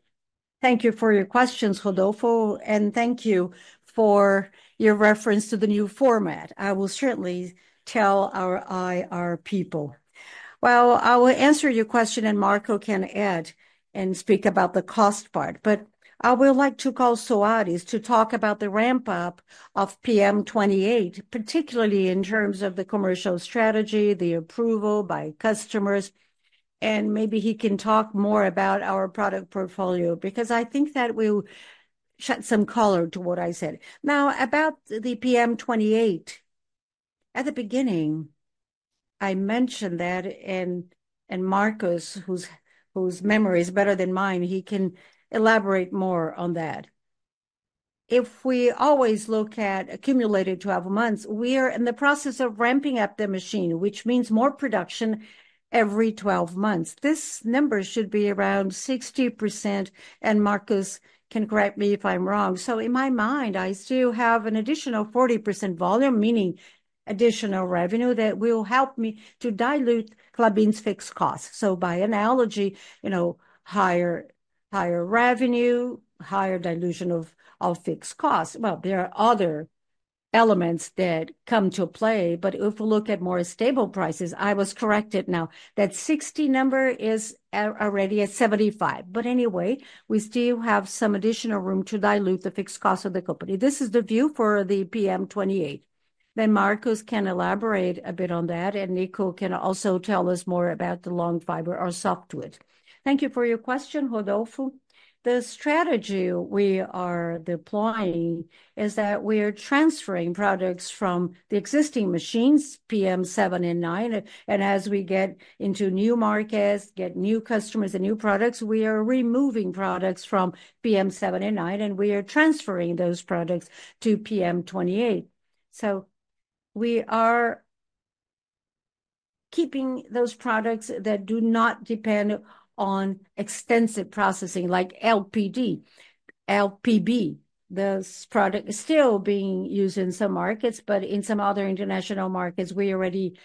Thank you for your questions, Rodolfo, and thank you for your reference to the new format. I will certainly tell our IR people. Well, I will answer your question, and Marco can add and speak about the cost part, but I would like to call Douglas to talk about the ramp-up of PM28, particularly in terms of the commercial strategy, the approval by customers, and maybe he can talk more about our product portfolio, because I think that will shed some color to what I said. Now, about the PM28, at the beginning, I mentioned that, and Marcos, whose memory is better than mine, he can elaborate more on that. If we always look at accumulated 12 months, we are in the process of ramping up the machine, which means more production every 12 months. This number should be around 60%, and Marcos can correct me if I'm wrong. So in my mind, I still have an additional 40% volume, meaning additional revenue that will help me to dilute Klabin's fixed costs. So by analogy, you know, higher revenue, higher dilution of fixed costs. Well, there are other elements that come to play, but if we look at more stable prices, I was corrected now, that 60 number is already at 75%. But anyway, we still have some additional room to dilute the fixed cost of the company. This is the view for the PM28. Then Marcos can elaborate a bit on that, and Nico can also tell us more about the long fiber or softwood. Thank you for your question, Rodolfo. The strategy we are deploying is that we're transferring products from the existing machines, PM7 and 9, and as we get into new markets, get new customers and new products, we are removing products from PM7 and 9, and we are transferring those products to PM28. So we are keeping those products that do not depend on extensive processing, like LPD, LPB. This product is still being used in some markets, but in some other international markets, we already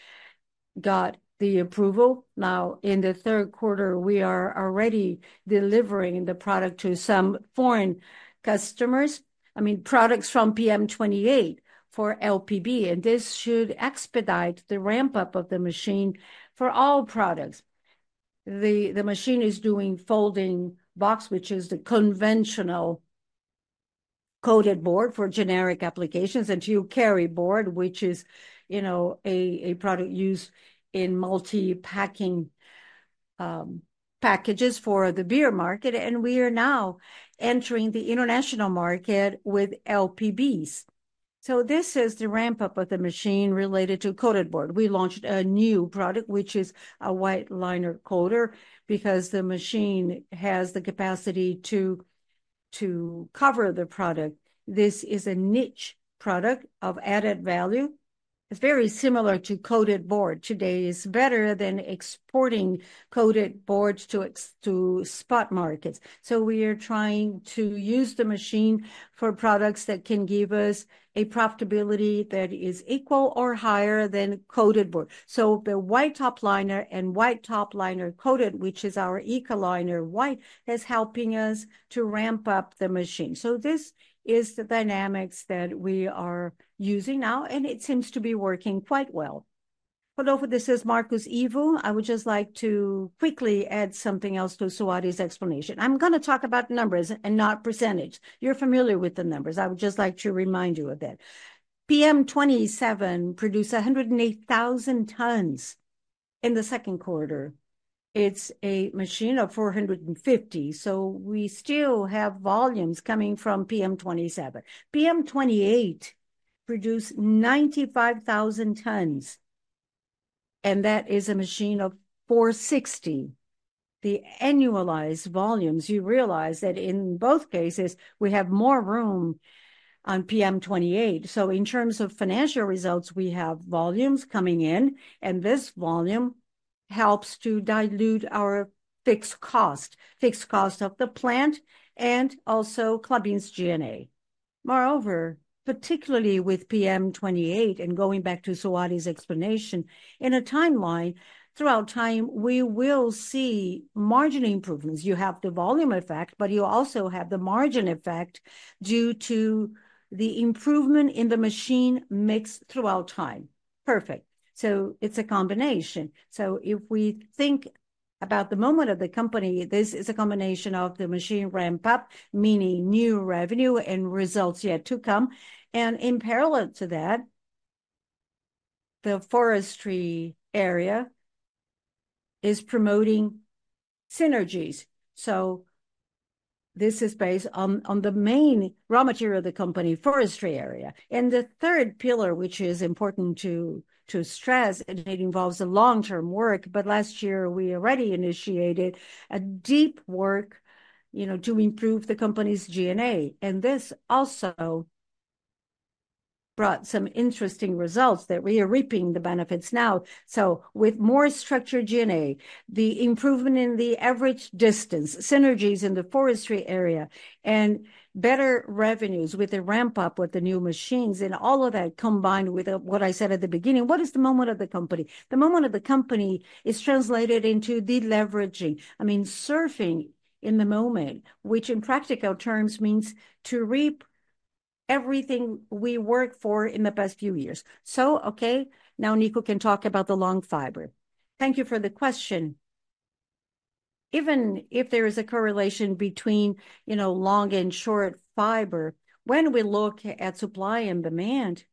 got the approval. Now, in the Q3, we are already delivering the product to some foreign customers. I mean, products from PM28 for LPB, and this should expedite the ramp-up of the machine for all products. The machine is doing Folding Box, which is the conventional Coated Board for generic applications, and Carrier Board, which is, you know, a product used in multi-packing packages for the beer market, and we are now entering the international market with LPBs. So this is the ramp-up of the machine related to Coated Board. We launched a new product, which is a White Liner Coater, because the machine has the capacity to cover the product. This is a niche product of added value. It's very similar to Coated Board. Today, it's better than exporting Coated Boards to export to spot markets. So we are trying to use the machine for products that can give us a profitability that is equal or higher than Coated Board. So the white top liner and white top liner coated, which is our Eucaliner White, is helping us to ramp up the machine. So this is the dynamics that we are using now, and it seems to be working quite well. Rodolfo, this is Marcos Ivo. I would just like to quickly add something else to Soadis' explanation. I'm gonna talk about numbers and not percentage. You're familiar with the numbers, I would just like to remind you of that. PM27 produced 108,000 tons in the Q2. It's a machine of 450, so we still have volumes coming from PM27. PM28 produced 95,000 tons, and that is a machine of 460, the annualized volumes, you realize that in both cases, we have more room on PM28. So in terms of financial results, we have volumes coming in, and this volume helps to dilute our fixed cost, fixed cost of the plant and also Klabin's G&A. Moreover, particularly with PM28, and going back to Soares explanation, in a timeline, throughout time, we will see margin improvements. You have the volume effect, but you also have the margin effect due to the improvement in the machine mix throughout time. Perfect. So it's a combination. So if we think about the moment of the company, this is a combination of the machine ramp-up, meaning new revenue and results yet to come, and in parallel to that, the forestry area is promoting synergies. So this is based on, on the main raw material of the company, forestry area. The third pillar, which is important to stress, and it involves a long-term work, but last year we already initiated a deep work, you know, to improve the company's G&A. And this also brought some interesting results that we are reaping the benefits now. So with more structured G&A, the improvement in the average distance, synergies in the forestry area, and better revenues with the ramp-up with the new machines, and all of that combined with what I said at the beginning, what is the moment of the company? The moment of the company is translated into deleveraging. I mean, surfing in the moment, which in practical terms means to reap everything we worked for in the past few years. So, okay, now Nico can talk about the long fiber. Thank you for the question. Even if there is a correlation between, you know, long and short fiber, when we look at supply and demand,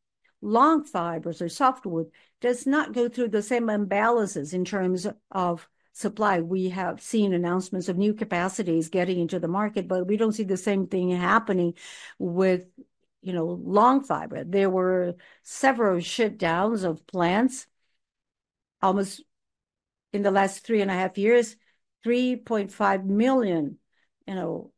long fibers or softwood does not go through the same imbalances in terms of supply. We have seen announcements of new capacities getting into the market, but we don't see the same thing happening with, you know, long fiber. There were several shutdowns of plants. Almost in the last 3.5 years, 3.5 million, you know,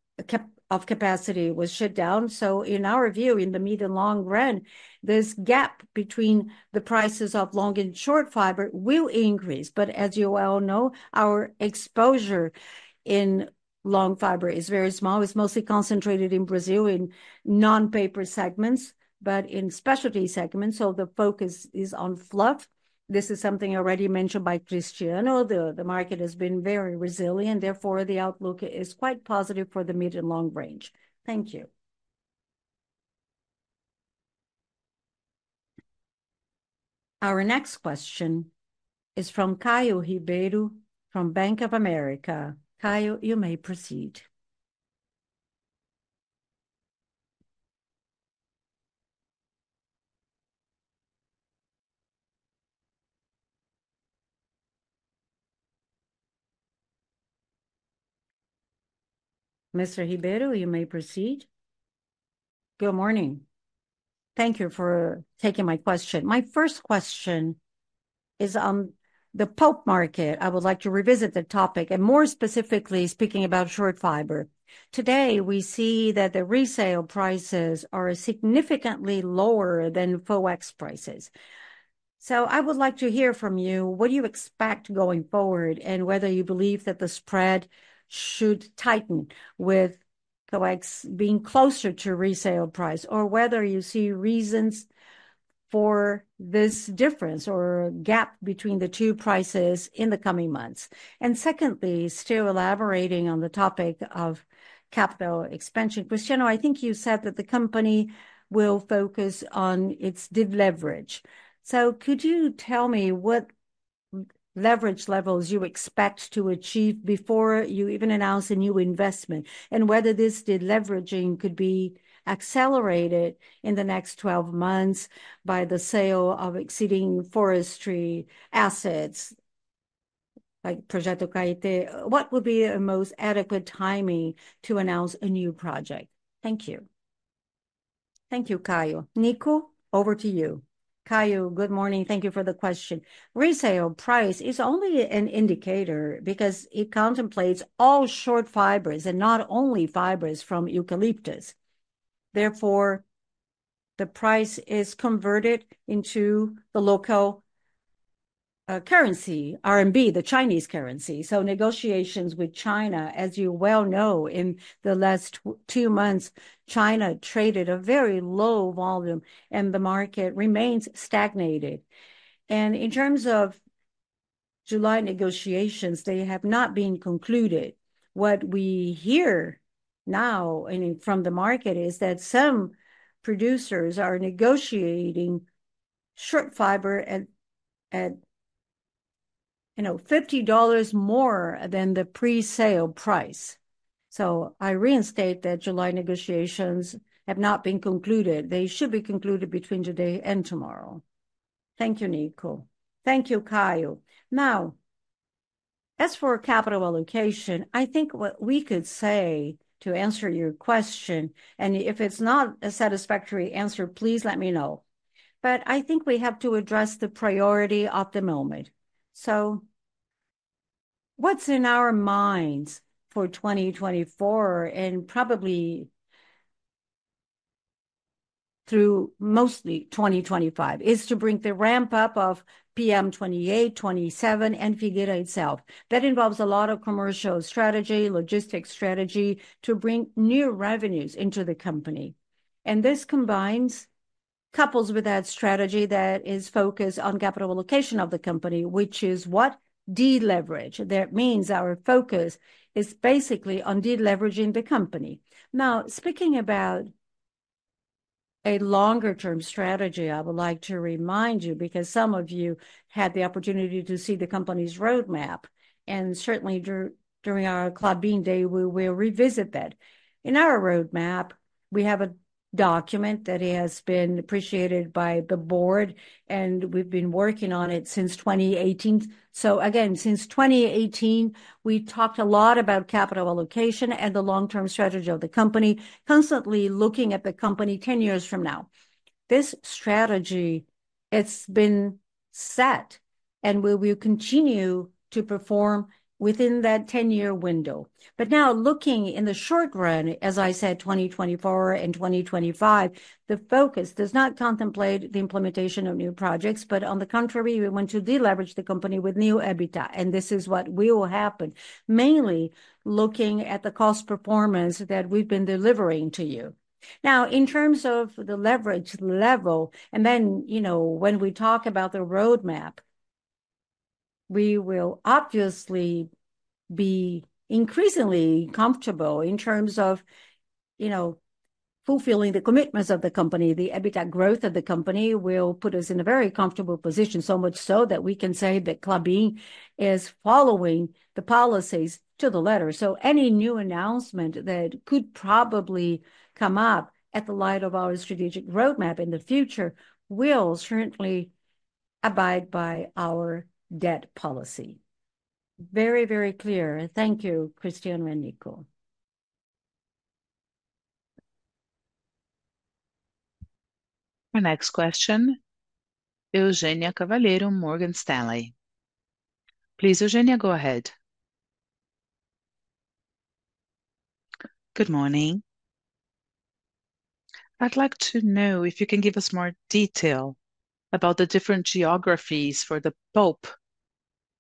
capacity was shut down. So in our view, in the medium long run, this gap between the prices of long and short fiber will increase. But as you well know, our exposure in long fiber is very small. It's mostly concentrated in Brazil, in non-paper segments, but in specialty segments, so the focus is on fluff. This is something already mentioned by Cristiano. The market has been very resilient, therefore, the outlook is quite positive for the medium long range. Thank you. Our next question is from Caio Ribeiro, from Bank of America. Caio, you may proceed. Mr. Ribeiro, you may proceed. Good morning. Thank you for taking my question. My first question is on the pulp market. I would like to revisit the topic, and more specifically, speaking about short fiber. Today, we see that the resale prices are significantly lower than FOEX prices. So I would like to hear from you, what do you expect going forward, and whether you believe that the spread should tighten with FOEX being closer to resale price, or whether you see reasons for this difference or gap between the two prices in the coming months? Secondly, still elaborating on the topic of capital expansion, Cristiano, I think you said that the company will focus on its de-leverage. So could you tell me what leverage levels you expect to achieve before you even announce a new investment, and whether this de-leveraging could be accelerated in the next 12 months by the sale of exceeding forestry assets, like Projeto Caeté? What would be the most adequate timing to announce a new project? Thank you. Thank you, Caio. Nico, over to you. Caio, good morning. Thank you for the question. Resale price is only an indicator because it contemplates all short fibers and not only fibers from eucalyptus. Therefore, the price is converted into the local currency, RMB, the Chinese currency. So negotiations with China, as you well know, in the last 2 months, China traded a very low volume, and the market remains stagnant. And in terms of July negotiations, they have not been concluded. What we hear now, and from the market, is that some producers are negotiating short fiber at, you know, $50 more than the pre-sale price. So I reinstate that July negotiations have not been concluded. They should be concluded between today and tomorrow. Thank you, Nico. Thank you, Caio. Now, as for capital allocation, I think what we could say to answer your question, and if it's not a satisfactory answer, please let me know... But I think we have to address the priority of the moment. So what's in our minds for 2024, and probably through mostly 2025, is to bring the ramp up of PM28, 27, and Figueira itself. That involves a lot of commercial strategy, logistics strategy, to bring new revenues into the company. This combines, couples with that strategy that is focused on capital allocation of the company, which is what? De-leverage. That means our focus is basically on de-leveraging the company. Now, speaking about a longer term strategy, I would like to remind you, because some of you had the opportunity to see the company's roadmap, and certainly during our Klabin Day, we will revisit that. In our roadmap, we have a document that has been appreciated by the board, and we've been working on it since 2018. So again, since 2018, we talked a lot about capital allocation and the long-term strategy of the company, constantly looking at the company 10 years from now. This strategy, it's been set, and we will continue to perform within that 10-year window. But now, looking in the short run, as I said, 2024 and 2025, the focus does not contemplate the implementation of new projects, but on the contrary, we want to de-leverage the company with new EBITDA, and this is what will happen, mainly looking at the cost performance that we've been delivering to you. Now, in terms of the leverage level, and then, you know, when we talk about the roadmap, we will obviously be increasingly comfortable in terms of, you know, fulfilling the commitments of the company. The EBITDA growth of the company will put us in a very comfortable position, so much so that we can say that Klabin is following the policies to the letter. So any new announcement that could probably come up in the light of our strategic roadmap in the future will certainly abide by our debt policy. Very, very clear. Thank you, Cristiano and Nico. Our next question, Eugenia Cavalheiro, Morgan Stanley. Please, Eugenia, go ahead. Good morning. I'd like to know if you can give us more detail about the different geographies for the pulp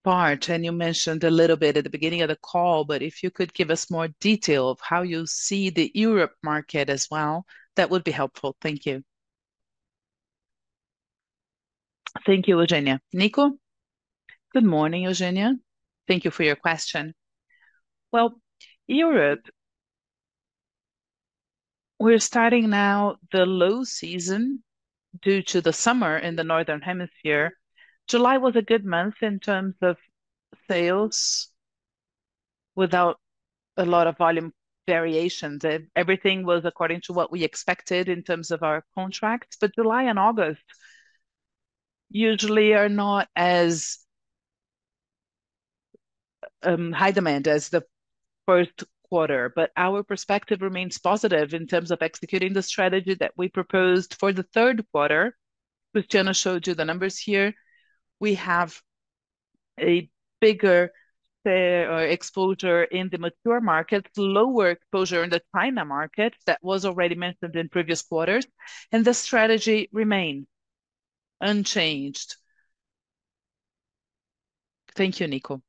part. And you mentioned a little bit at the beginning of the call, but if you could give us more detail of how you see the Europe market as well, that would be helpful. Thank you. Thank you, Eugenia. Nico? Good morning, Eugenia. Thank you for your question. Well, Europe, we're starting now the low season due to the summer in the Northern Hemisphere. July was a good month in terms of sales, without a lot of volume variations. Everything was according to what we expected in terms of our contracts. But July and August usually are not as high demand as the Q1. But our perspective remains positive in terms of executing the strategy that we proposed for the Q3. Cristiano showed you the numbers here. We have a bigger exposure in the mature market, lower exposure in the China market, that was already mentioned in previous quarters, and the strategy remain unchanged. Thank you, Nico.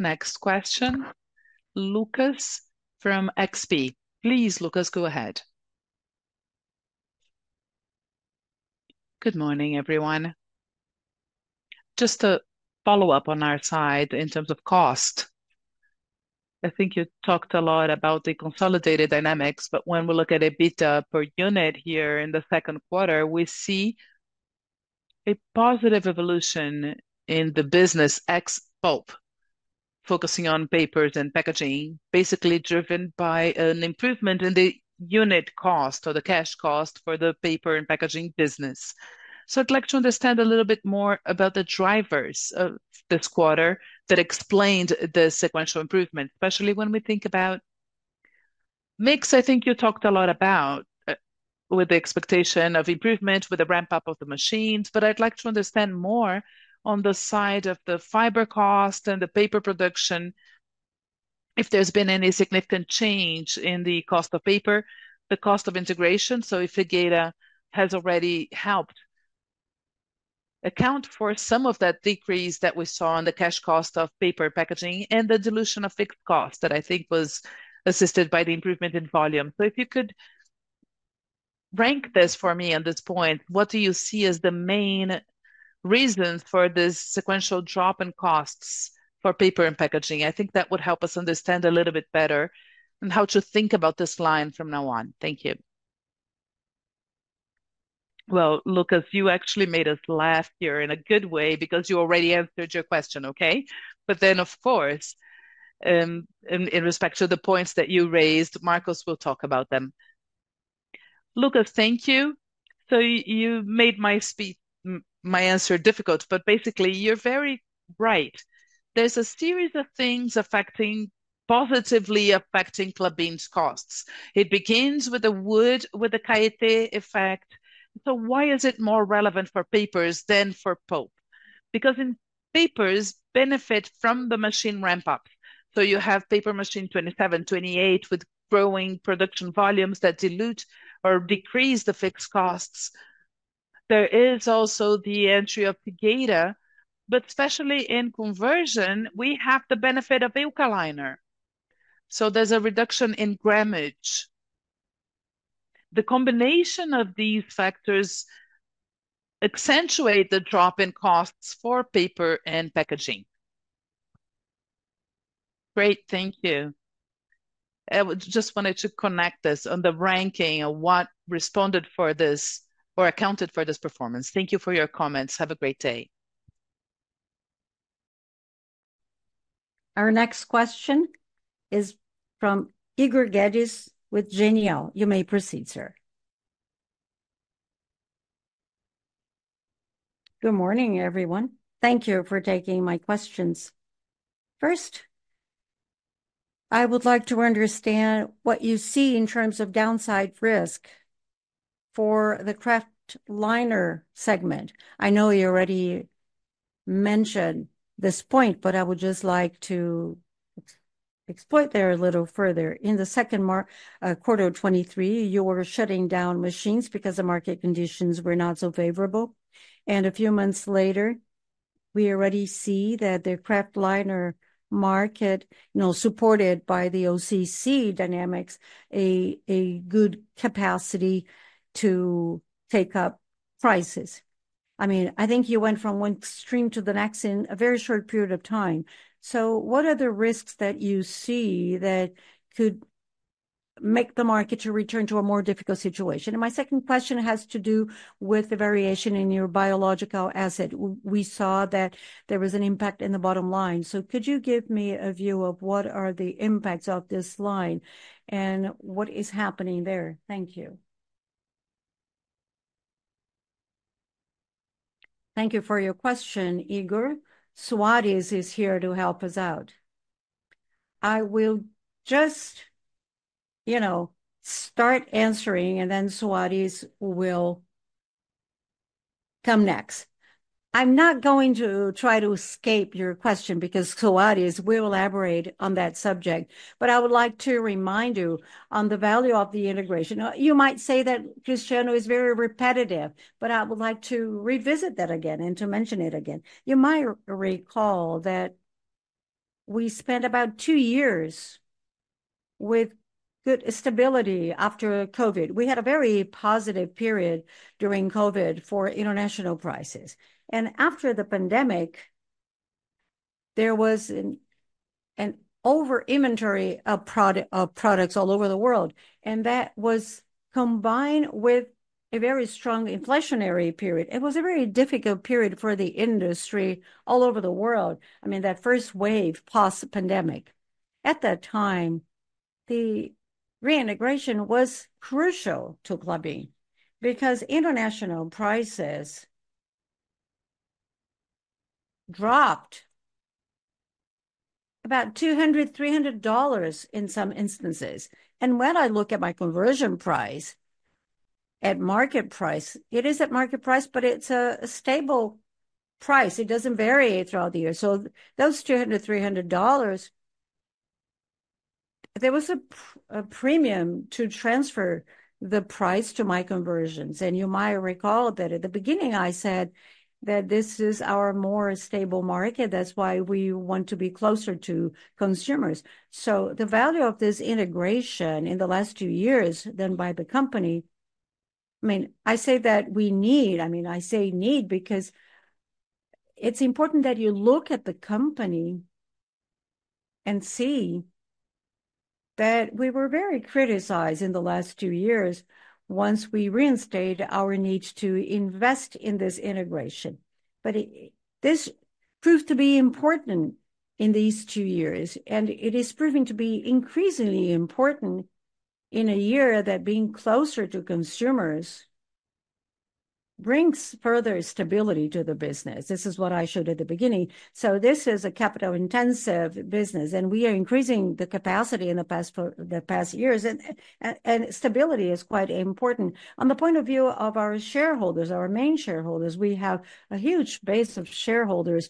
Next question, Lucas from XP. Please, Lucas, go ahead. Good morning, everyone. Just a follow-up on our side in terms of cost. I think you talked a lot about the consolidated dynamics, but when we look at EBITDA per unit here in the Q2, we see a positive evolution in the business ex pulp, focusing on papers and packaging, basically driven by an improvement in the unit cost or the cash cost for the paper and packaging business. So I'd like to understand a little bit more about the drivers of this quarter that explained the sequential improvement, especially when we think about mix. I think you talked a lot about with the expectation of improvement, with the ramp-up of the machines, but I'd like to understand more on the side of the fiber cost and the paper production, if there's been any significant change in the cost of paper, the cost of integration. So if Figueira has already helped account for some of that decrease that we saw in the cash cost of paper packaging and the dilution of fixed costs, that I think was assisted by the improvement in volume. So if you could rank this for me at this point, what do you see as the main reasons for this sequential drop in costs for paper and packaging? I think that would help us understand a little bit better on how to think about this line from now on. Thank you. Well, Lucas, you actually made us laugh here in a good way, because you already answered your question, okay? But then, of course, in respect to the points that you raised, Marcos will talk about them. Lucas, thank you. So you made me speak my answer difficult, but basically you're very right. There's a series of things affecting, positively affecting Klabin's costs. It begins with the wood, with the Caeté effect. So why is it more relevant for papers than for pulp? Because in papers benefit from the machine ramp-up, so you have paper machine 27, 28, with growing production volumes that dilute or decrease the fixed costs. There is also the entry of Figueira, but especially in conversion, we have the benefit of Eucaliner, so there's a reduction in grammage. The combination of these factors accentuate the drop in costs for paper and packaging. Great, thank you. I would just wanted to connect this on the ranking of what responded for this or accounted for this performance. Thank you for your comments. Have a great day. Our next question is from Igor Guedes with Genial. You may proceed, sir. Good morning, everyone. Thank you for taking my questions. First, I would like to understand what you see in terms of downside risk for the kraftliner segment. I know you already mentioned this point, but I would just like to exploit there a little further. In the Q2 of 2023, you were shutting down machines because the market conditions were not so favorable, and a few months later, we already see that the kraftliner market, you know, supported by the OCC dynamics, a good capacity to take up prices. I mean, I think you went from one extreme to the next in a very short period of time. So what are the risks that you see that could make the market to return to a more difficult situation? My second question has to do with the variation in your biological asset. We saw that there was an impact in the bottom line, so could you give me a view of what are the impacts of this line, and what is happening there? Thank you. Thank you for your question, Igor. Soadis is here to help us out. I will just, you know, start answering, and then Soadis will come next. I'm not going to try to escape your question, because Soadis will elaborate on that subject, but I would like to remind you on the value of the integration. You might say that Cristiano is very repetitive, but I would like to revisit that again, and to mention it again. You might recall that we spent about two years with good stability after COVID. We had a very positive period during COVID for international prices, and after the pandemic, there was an over-inventory of products all over the world, and that was combined with a very strong inflationary period. It was a very difficult period for the industry all over the world, I mean, that first wave post-pandemic. At that time, the reintegration was crucial to Klabin, because international prices dropped about $200-$300 in some instances, and when I look at my conversion price, at market price, it is at market price, but it's a stable price. It doesn't vary throughout the year. So those $200-$300, there was a premium to transfer the price to my conversions. You might recall that at the beginning I said that this is our more stable market, that's why we want to be closer to consumers. So the value of this integration in the last two years, then, by the company... I mean, I say that we need, I mean, I say need because it's important that you look at the company and see that we were very criticized in the last two years once we reinstate our need to invest in this integration. But it, this proved to be important in these two years, and it is proving to be increasingly important in a year that being closer to consumers brings further stability to the business. This is what I showed at the beginning. So this is a capital-intensive business, and we are increasing the capacity in the past years, and stability is quite important. On the point of view of our shareholders, our main shareholders, we have a huge base of shareholders,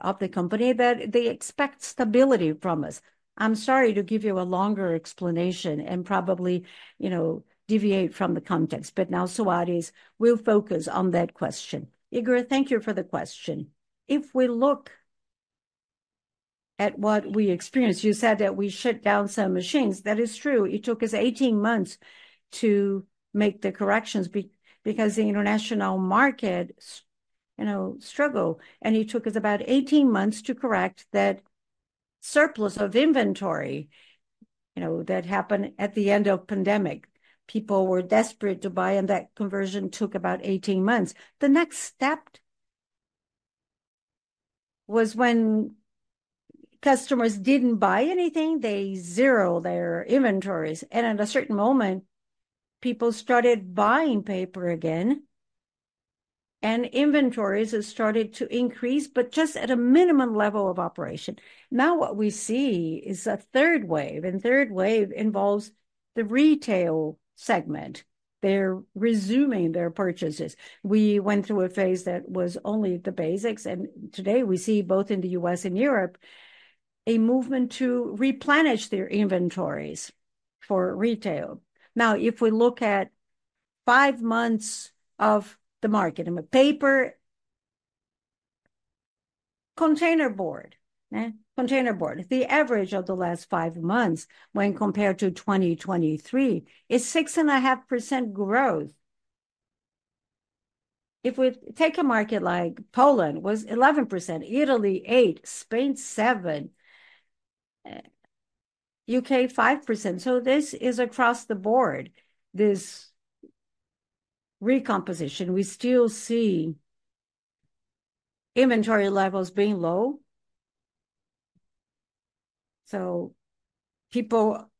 of the company, that they expect stability from us. I'm sorry to give you a longer explanation and probably, you know, deviate from the context, but now Soadis will focus on that question. Igor, thank you for the question. If we look at what we experienced, you said that we shut down some machines. That is true. It took us 18 months to make the corrections because the international market you know, struggle, and it took us about 18 months to correct that surplus of inventory, you know, that happened at the end of pandemic. People were desperate to buy, and that conversion took about 18 months. The next step was when customers didn't buy anything, they zero their inventories, and at a certain moment, people started buying paper again, and inventories have started to increase, but just at a minimum level of operation. Now what we see is a third wave, and third wave involves the retail segment. They're resuming their purchases. We went through a phase that was only the basics, and today we see, both in the U.S. and Europe, a movement to replenish their inventories for retail. Now, if we look at five months of the market in paper, containerboard. Containerboard. The average of the last five months when compared to 2023 is 6.5% growth. If we take a market like Poland, was 11%, Italy, 8%, Spain, 7%, U.K., 5%, so this is across the board, this recomposition. We still see inventory levels being low, so people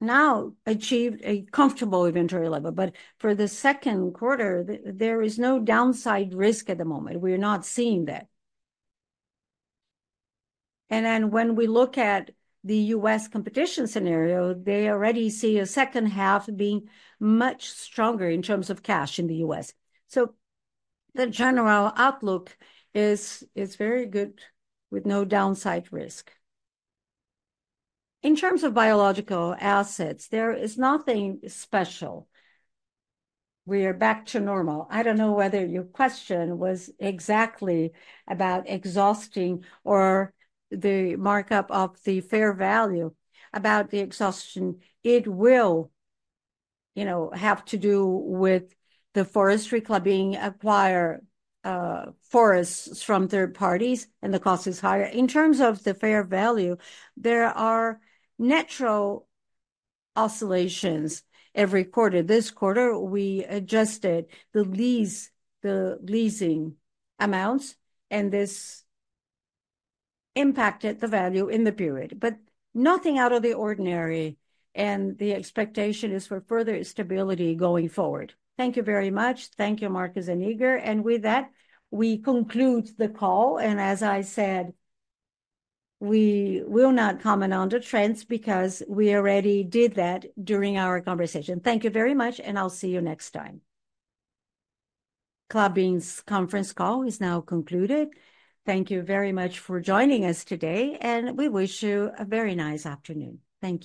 now achieved a comfortable inventory level. But for the Q2, there is no downside risk at the moment. We're not seeing that. And then when we look at the U.S. competition scenario, they already see a second half being much stronger in terms of cash in the U.S. So the general outlook is very good, with no downside risk. In terms of biological assets, there is nothing special. We are back to normal. I don't know whether your question was exactly about exhausting or the markup of the fair value. About the exhaustion, it will, you know, have to do with the forestry Klabin acquire forests from third parties, and the cost is higher. In terms of the fair value, there are natural oscillations every quarter. This quarter, we adjusted the lease, the leasing amounts, and this impacted the value in the period, but nothing out of the ordinary, and the expectation is for further stability going forward. Thank you very much. Thank you, Marcos and Igor. With that, we conclude the call, and as I said, we will not comment on the trends because we already did that during our conversation. Thank you very much, and I'll see you next time. Klabin's conference call is now concluded. Thank you very much for joining us today, and we wish you a very nice afternoon. Thank you.